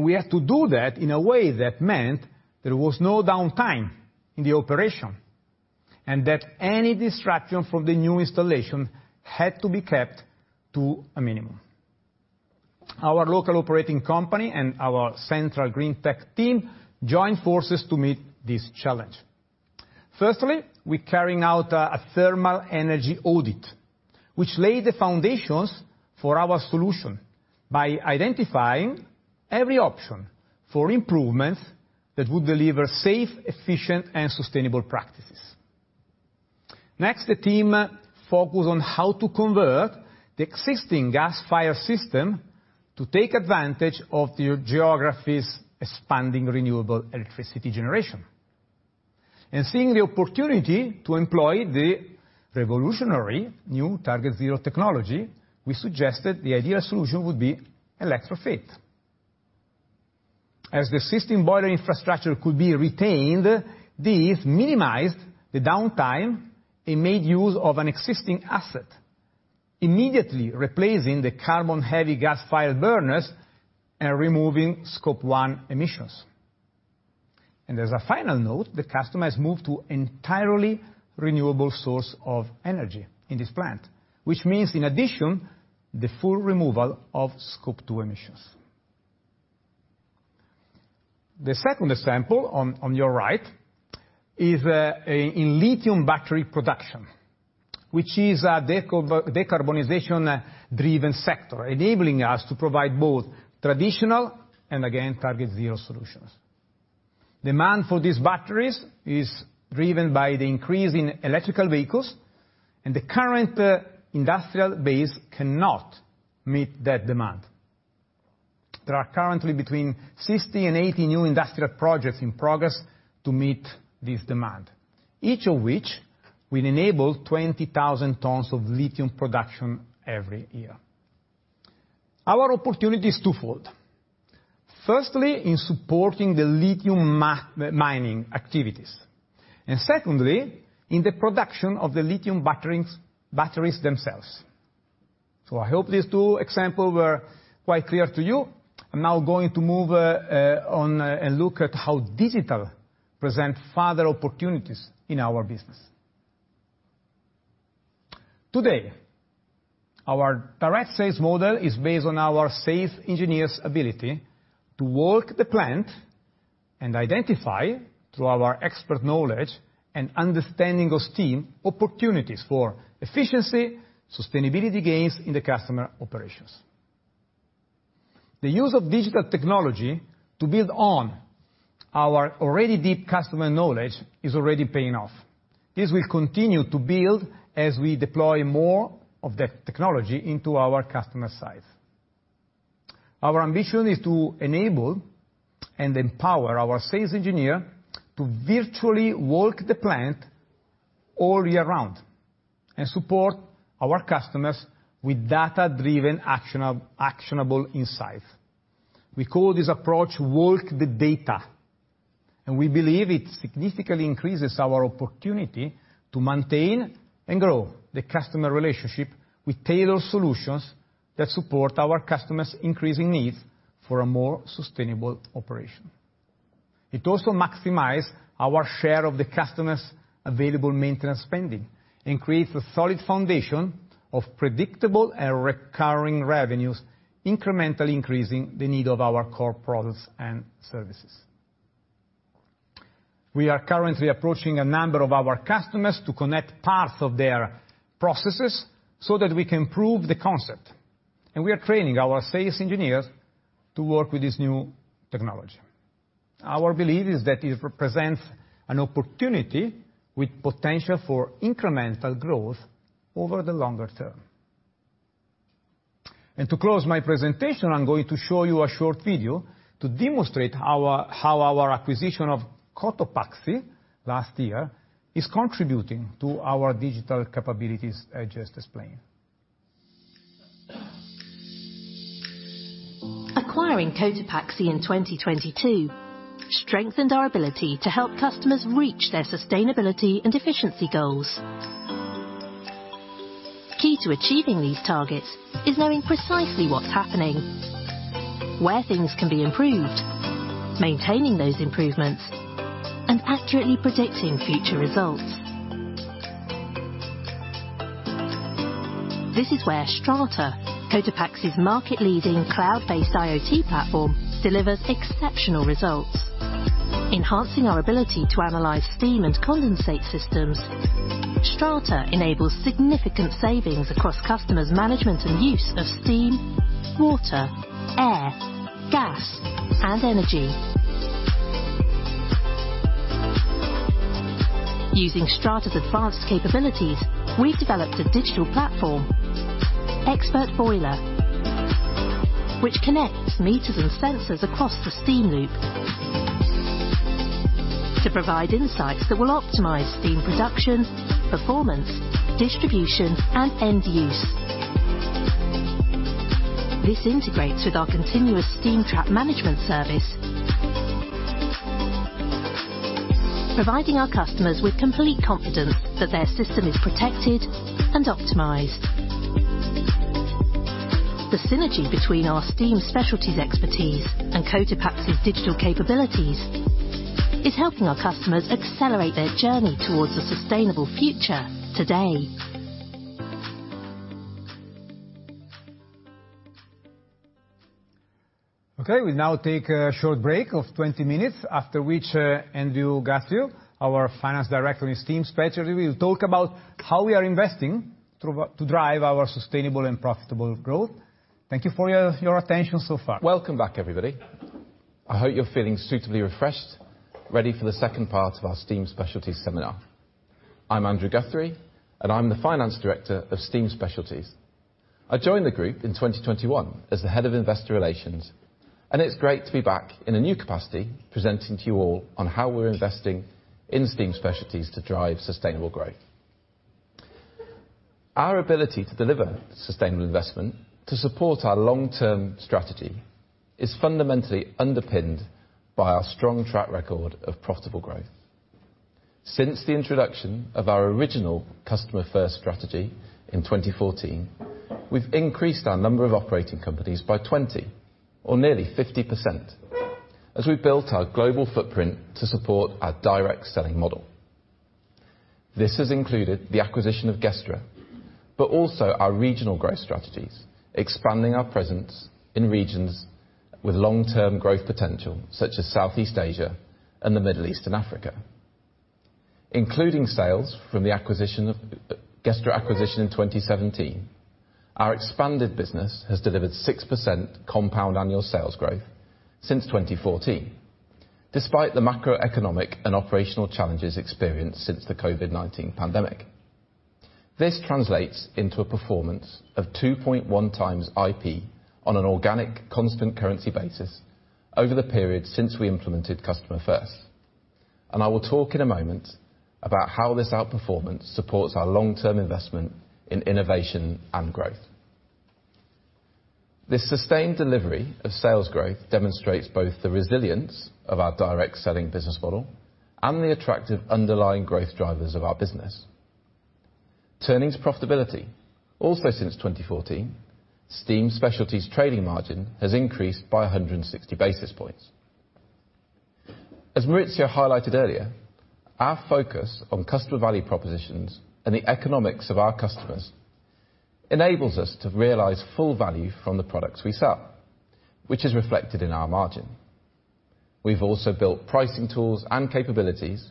We had to do that in a way that meant there was no downtime in the operation, and that any distraction from the new installation had to be kept to a minimum. Our local operating company and our central green tech team joined forces to meet this challenge. Firstly, we carrying out a thermal energy audit, which laid the foundations for our solution by identifying every option for improvements that would deliver safe, efficient, and sustainable practices. Next, the team focused on how to convert the existing gas fire system to take advantage of the geography's expanding renewable electricity generation. Seeing the opportunity to employ the revolutionary new TargetZero technology, we suggested the ideal solution would be ElectroFit. As the existing boiler infrastructure could be retained, this minimized the downtime and made use of an existing asset, immediately replacing the carbon-heavy gas-fired burners and removing scope 1 emissions. As a final note, the customer has moved to entirely renewable source of energy in this plant, which means, in addition, the full removal of scope 2 emissions. The second example, on your right, is in lithium battery production, which is a decarbonization-driven sector, enabling us to provide both traditional and, again, TargetZero solutions. Demand for these batteries is driven by the increase in electrical vehicles, and the current industrial base cannot meet that demand. There are currently between 60 and 80 new industrial projects in progress to meet this demand, each of which will enable 20,000 tons of lithium production every year. Our opportunity is twofold: firstly, in supporting the lithium mining activities, and secondly, in the production of the lithium batteries themselves. I hope these two examples were quite clear to you. I'm now going to move on and look at how digital present further opportunities in our business. Today, our direct sales model is based on our sales engineers' ability to work the plant and identify, through our expert knowledge and understanding of steam, opportunities for efficiency, sustainability gains in the customer operations. The use of digital technology to build on our already deep customer knowledge is already paying off. This will continue to build as we deploy more of that technology into our customer site. Our ambition is to enable and empower our sales engineer to virtually work the plant all year round. Support our customers with data-driven, actionable insights. We call this approach walk the data. We believe it significantly increases our opportunity to maintain and grow the customer relationship with tailored solutions that support our customers' increasing needs for a more sustainable operation. It also maximize our share of the customer's available maintenance spending, increase the solid foundation of predictable and recurring revenues, incrementally increasing the need of our core products and services. We are currently approaching a number of our customers to connect parts of their processes so that we can prove the concept. We are training our sales engineers to work with this new technology. Our belief is that it represents an opportunity with potential for incremental growth over the longer term. To close my presentation, I'm going to show you a short video to demonstrate how our acquisition of Cotopaxi last year is contributing to our digital capabilities I just explained. Acquiring Cotopaxi in 2022 strengthened our ability to help customers reach their sustainability and efficiency goals. Key to achieving these targets is knowing precisely what's happening, where things can be improved, maintaining those improvements, and accurately predicting future results. This is where Strata, Cotopaxi's market-leading, cloud-based IoT platform, delivers exceptional results, enhancing our ability to analyze steam and condensate systems. Strata enables significant savings across customers' management and use of steam, water, air, gas, and energy. Using Strata's advanced capabilities, we developed a digital platform, Expert Boiler, which connects meters and sensors across the steam loop to provide insights that will optimize steam production, performance, distribution, and end use. This integrates with our continuous steam trap management service, providing our customers with complete confidence that their system is protected and optimized. The synergy between our Steam Specialties expertise and Cotopaxi's digital capabilities is helping our customers accelerate their journey towards a sustainable future today. Okay, we now take a short break of 20 minutes, after which, Andrew Garfield, our Finance Director, Steam Specialties, will talk about how we are investing to drive our sustainable and profitable growth. Thank you for your attention so far. Welcome back, everybody. I hope you're feeling suitably refreshed, ready for the second part of our Steam Specialties seminar. I'm Andrew Guthrie, and I'm the Finance Director of Steam Specialties. I joined the group in 2021 as the Head of Investor Relations, and it's great to be back in a new capacity, presenting to you all on how we're investing in Steam Specialties to drive sustainable growth. Our ability to deliver sustainable investment to support our long-term strategy is fundamentally underpinned by our strong track record of profitable growth. Since the introduction of our original Customer first strategy in 2014, we've increased our number of operating companies by 20%, or nearly 50%, as we built our global footprint to support our direct selling model. This has included the acquisition of Gestra, but also our regional growth strategies, expanding our presence in regions with long-term growth potential, such as Southeast Asia and the Middle East and Africa. Including sales from the acquisition of Gestra acquisition in 2017, our expanded business has delivered 6% compound annual sales growth since 2014, despite the macroeconomic and operational challenges experienced since the COVID-19 pandemic. This translates into a performance of 2.1x IP on an organic, constant currency basis over the period since we implemented Customer first. I will talk in a moment about how this outperformance supports our long-term investment in innovation and growth. This sustained delivery of sales growth demonstrates both the resilience of our direct selling business model and the attractive underlying growth drivers of our business. Turning to profitability, also since 2014, Steam Specialties trading margin has increased by 160 basis points. As Maurizio highlighted earlier, our focus on customer value propositions and the economics of our customers enables us to realize full value from the products we sell, which is reflected in our margin. We've also built pricing tools and capabilities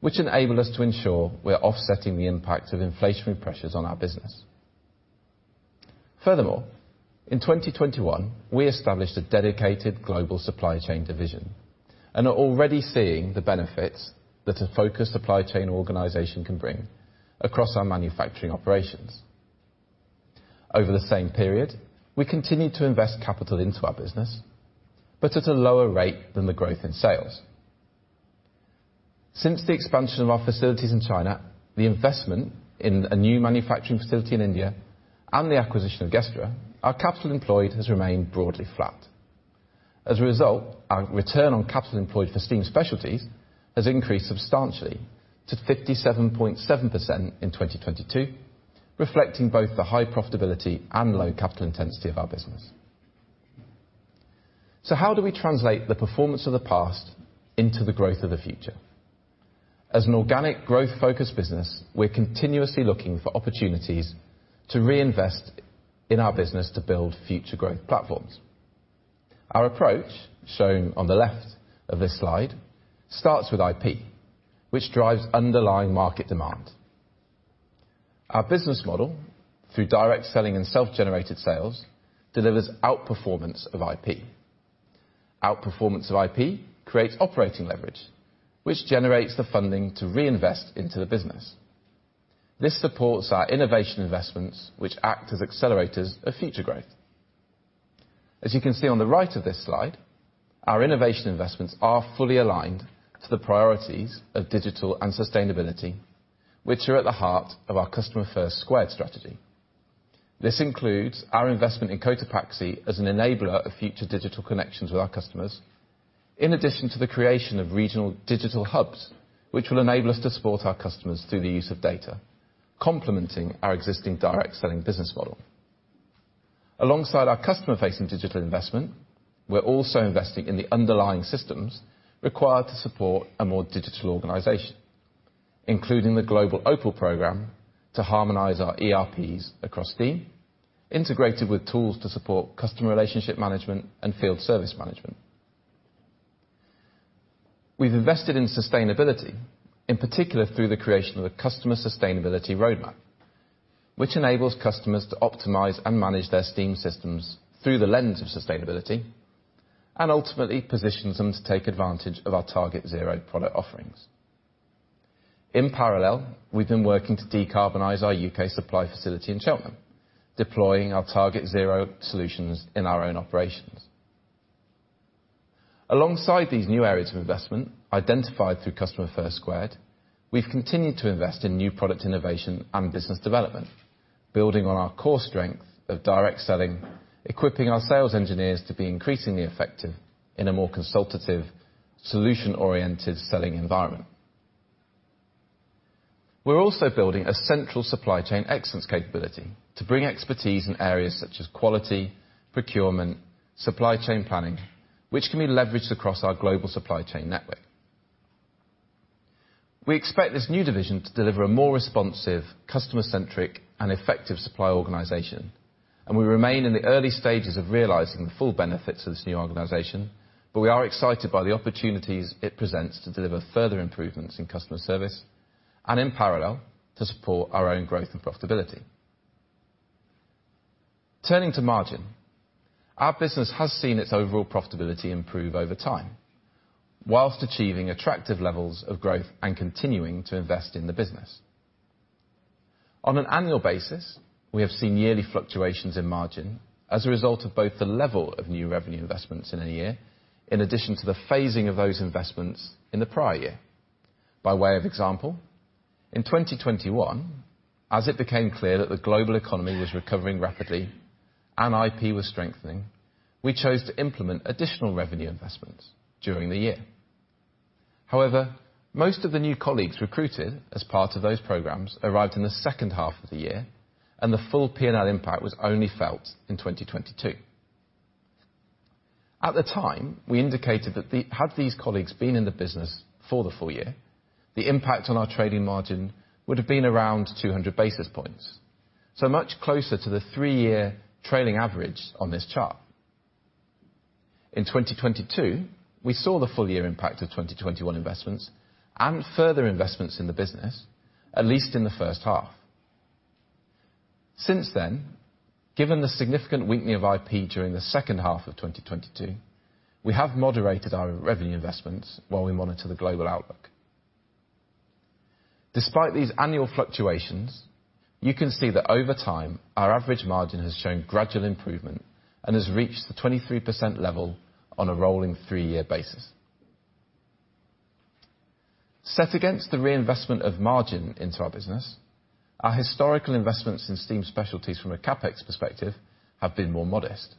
which enable us to ensure we're offsetting the impacts of inflationary pressures on our business. Furthermore, in 2021, we established a dedicated global supply chain division and are already seeing the benefits that a focused supply chain organization can bring across our manufacturing operations. Over the same period, we continued to invest capital into our business, but at a lower rate than the growth in sales. Since the expansion of our facilities in China, the investment in a new manufacturing facility in India, and the acquisition of Gestra, our capital employed has remained broadly flat. As a result, our return on capital employed for Steam Specialties has increased substantially to 57.7% in 2022, reflecting both the high profitability and low capital intensity of our business. How do we translate the performance of the past into the growth of the future? As an organic growth-focused business, we're continuously looking for opportunities to reinvest in our business to build future growth platforms. Our approach, shown on the left of this slide, starts with IP, which drives underlying market demand. Our business model, through direct selling and self-generated sales, delivers outperformance of IP. Outperformance of IP creates operating leverage, which generates the funding to reinvest into the business. This supports our innovation investments, which act as accelerators of future growth. As you can see on the right of this slide, our innovation investments are fully aligned to the priorities of digital and sustainability, which are at the heart of Customer first squared strategy. This includes our investment in Cotopaxi as an enabler of future digital connections with our customers, in addition to the creation of regional digital hubs, which will enable us to support our customers through the use of data, complementing our existing direct selling business model. Alongside our customer-facing digital investment, we're also investing in the underlying systems required to support a more digital organization, including the global OPAL program, to harmonize our ERPs across Steam, integrated with tools to support customer relationship management and field service management. We've invested in sustainability, in particular through the creation of a customer sustainability roadmap, which enables customers to optimize and manage their steam systems through the lens of sustainability, ultimately positions them to take advantage of our TargetZero product offerings. In parallel, we've been working to decarbonize our U.K. supply facility in Cheltenham, deploying our TargetZero solutions in our own operations. Alongside these new areas of investment identified Customer first squared, we've continued to invest in new product innovation and business development, building on our core strength of direct selling, equipping our sales engineers to be increasingly effective in a more consultative, solution-oriented selling environment. We're also building a central supply chain excellence capability to bring expertise in areas such as quality, procurement, supply chain planning, which can be leveraged across our global supply chain network. We expect this new division to deliver a more responsive, customer-centric, and effective supply organization. We remain in the early stages of realizing the full benefits of this new organization. We are excited by the opportunities it presents to deliver further improvements in customer service and, in parallel, to support our own growth and profitability. Turning to margin, our business has seen its overall profitability improve over time, while achieving attractive levels of growth and continuing to invest in the business. On an annual basis, we have seen yearly fluctuations in margin as a result of both the level of new revenue investments in any year, in addition to the phasing of those investments in the prior year. By way of example, in 2021, as it became clear that the global economy was recovering rapidly and IP was strengthening, we chose to implement additional revenue investments during the year. Most of the new colleagues recruited as part of those programs arrived in the second half of the year, and the full P&L impact was only felt in 2022. At the time, we indicated that had these colleagues been in the business for the full year, the impact on our trading margin would have been around 200 basis points, so much closer to the three-year trailing average on this chart. In 2022, we saw the full year impact of 2021 investments and further investments in the business, at least in the first half. Since then, given the significant weakening of IP during the second half of 2022, we have moderated our revenue investments while we monitor the global outlook. Despite these annual fluctuations, you can see that over time, our average margin has shown gradual improvement and has reached the 23% level on a rolling three-year basis. Set against the reinvestment of margin into our business, our historical investments in Steam Specialties from a CapEx perspective have been more modest.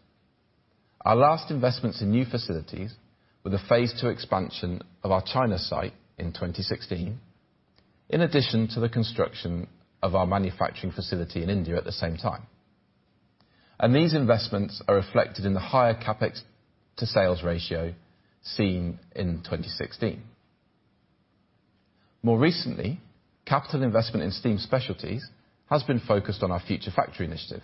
Our last investments in new facilities were the phase two expansion of our China site in 2016, in addition to the construction of our manufacturing facility in India at the same time. These investments are reflected in the higher CapEx to sales ratio seen in 2016. More recently, capital investment in Steam Specialties has been focused on our Future Factory initiative,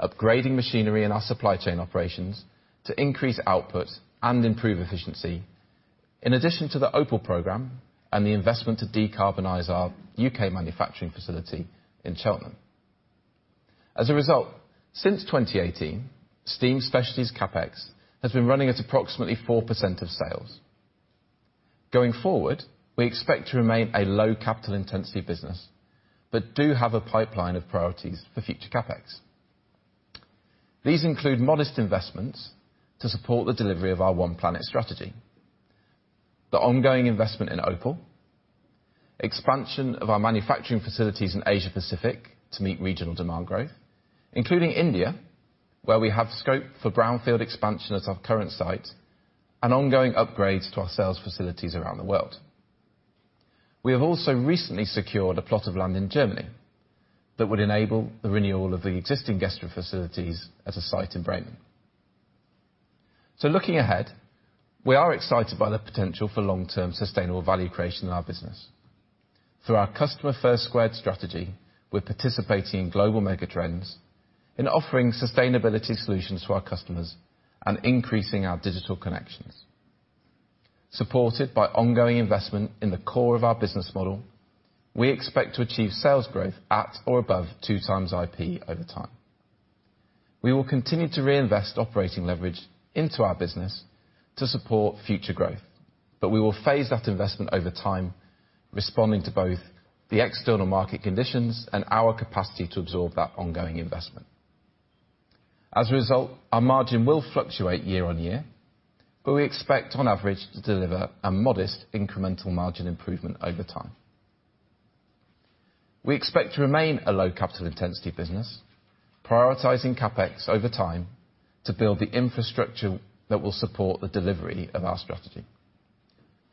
upgrading machinery in our supply chain operations to increase output and improve efficiency, in addition to the OPAL program and the investment to decarbonize our U.K. manufacturing facility in Cheltenham. Since 2018, Steam Specialties CapEx has been running at approximately 4% of sales. Going forward, we expect to remain a low capital intensity business, but do have a pipeline of priorities for future CapEx. These include modest investments to support the delivery of our One Planet strategy, the ongoing investment in OPAL, expansion of our manufacturing facilities in Asia Pacific to meet regional demand growth, including India, where we have scope for brownfield expansion at our current site, and ongoing upgrades to our sales facilities around the world. We have also recently secured a plot of land in Germany that would enable the renewal of the existing Gestra facilities at a site in Bremen. Looking ahead, we are excited by the potential for long-term sustainable value creation in our business. Through Customer first squared strategy, we're participating in global mega trends in offering sustainability solutions to our customers and increasing our digital connections. Supported by ongoing investment in the core of our business model, we expect to achieve sales growth at or above 2x IP over time. We will continue to reinvest operating leverage into our business to support future growth, but we will phase that investment over time, responding to both the external market conditions and our capacity to absorb that ongoing investment. As a result, our margin will fluctuate year-on-year, we expect on average, to deliver a modest incremental margin improvement over time. We expect to remain a low capital intensity business, prioritizing CapEx over time to build the infrastructure that will support the delivery of our strategy.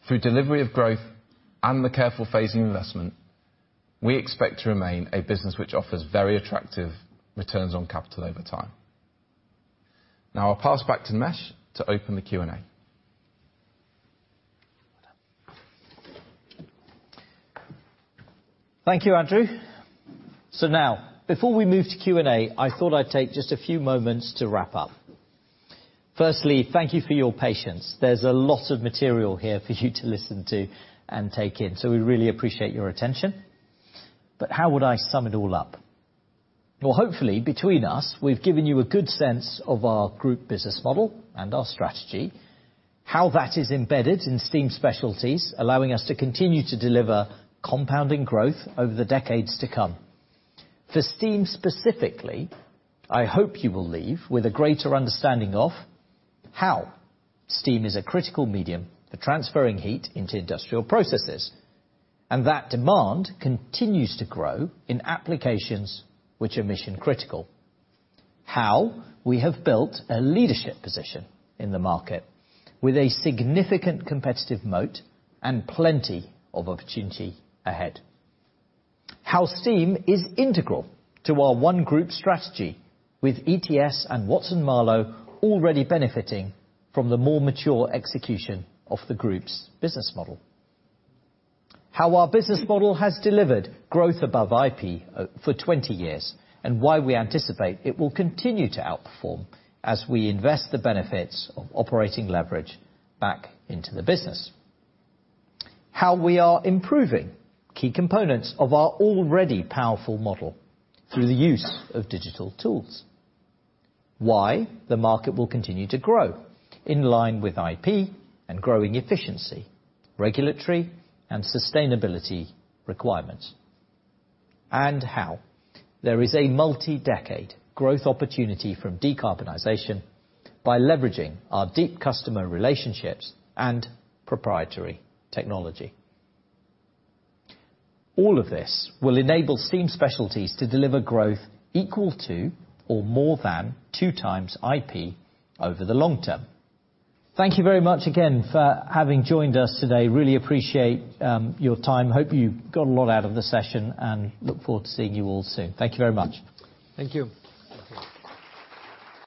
Through delivery of growth and the careful phasing investment, we expect to remain a business which offers very attractive returns on capital over time. I'll pass back to Nimesh to open the Q&A. Thank you, Andrew. Now, before we move to Q&A, I thought I'd take just a few moments to wrap up. Firstly, thank you for your patience. There's a lot of material here for you to listen to and take in, so we really appreciate your attention. How would I sum it all up? Well, hopefully, between us, we've given you a good sense of our group business model and our strategy, how that is embedded in Steam Specialties, allowing us to continue to deliver compounding growth over the decades to come. For steam specifically, I hope you will leave with a greater understanding of how steam is a critical medium for transferring heat into industrial processes, and that demand continues to grow in applications which are mission-critical. How we have built a leadership position in the market with a significant competitive moat and plenty of opportunity ahead. How steam is integral to our one group strategy, with ETS and Watson-Marlow already benefiting from the more mature execution of the group's business model. How our business model has delivered growth above IP for 20 years, and why we anticipate it will continue to outperform as we invest the benefits of operating leverage back into the business. How we are improving key components of our already powerful model through the use of digital tools. Why the market will continue to grow in line with IP and growing efficiency, regulatory and sustainability requirements, and how there is a multi-decade growth opportunity from decarbonization by leveraging our deep customer relationships and proprietary technology. All of this will enable Steam Specialties to deliver growth equal to or more than 2x IP over the long term. Thank you very much again for having joined us today. Really appreciate, your time. Hope you got a lot out of the session, and look forward to seeing you all soon. Thank you very much. Thank you.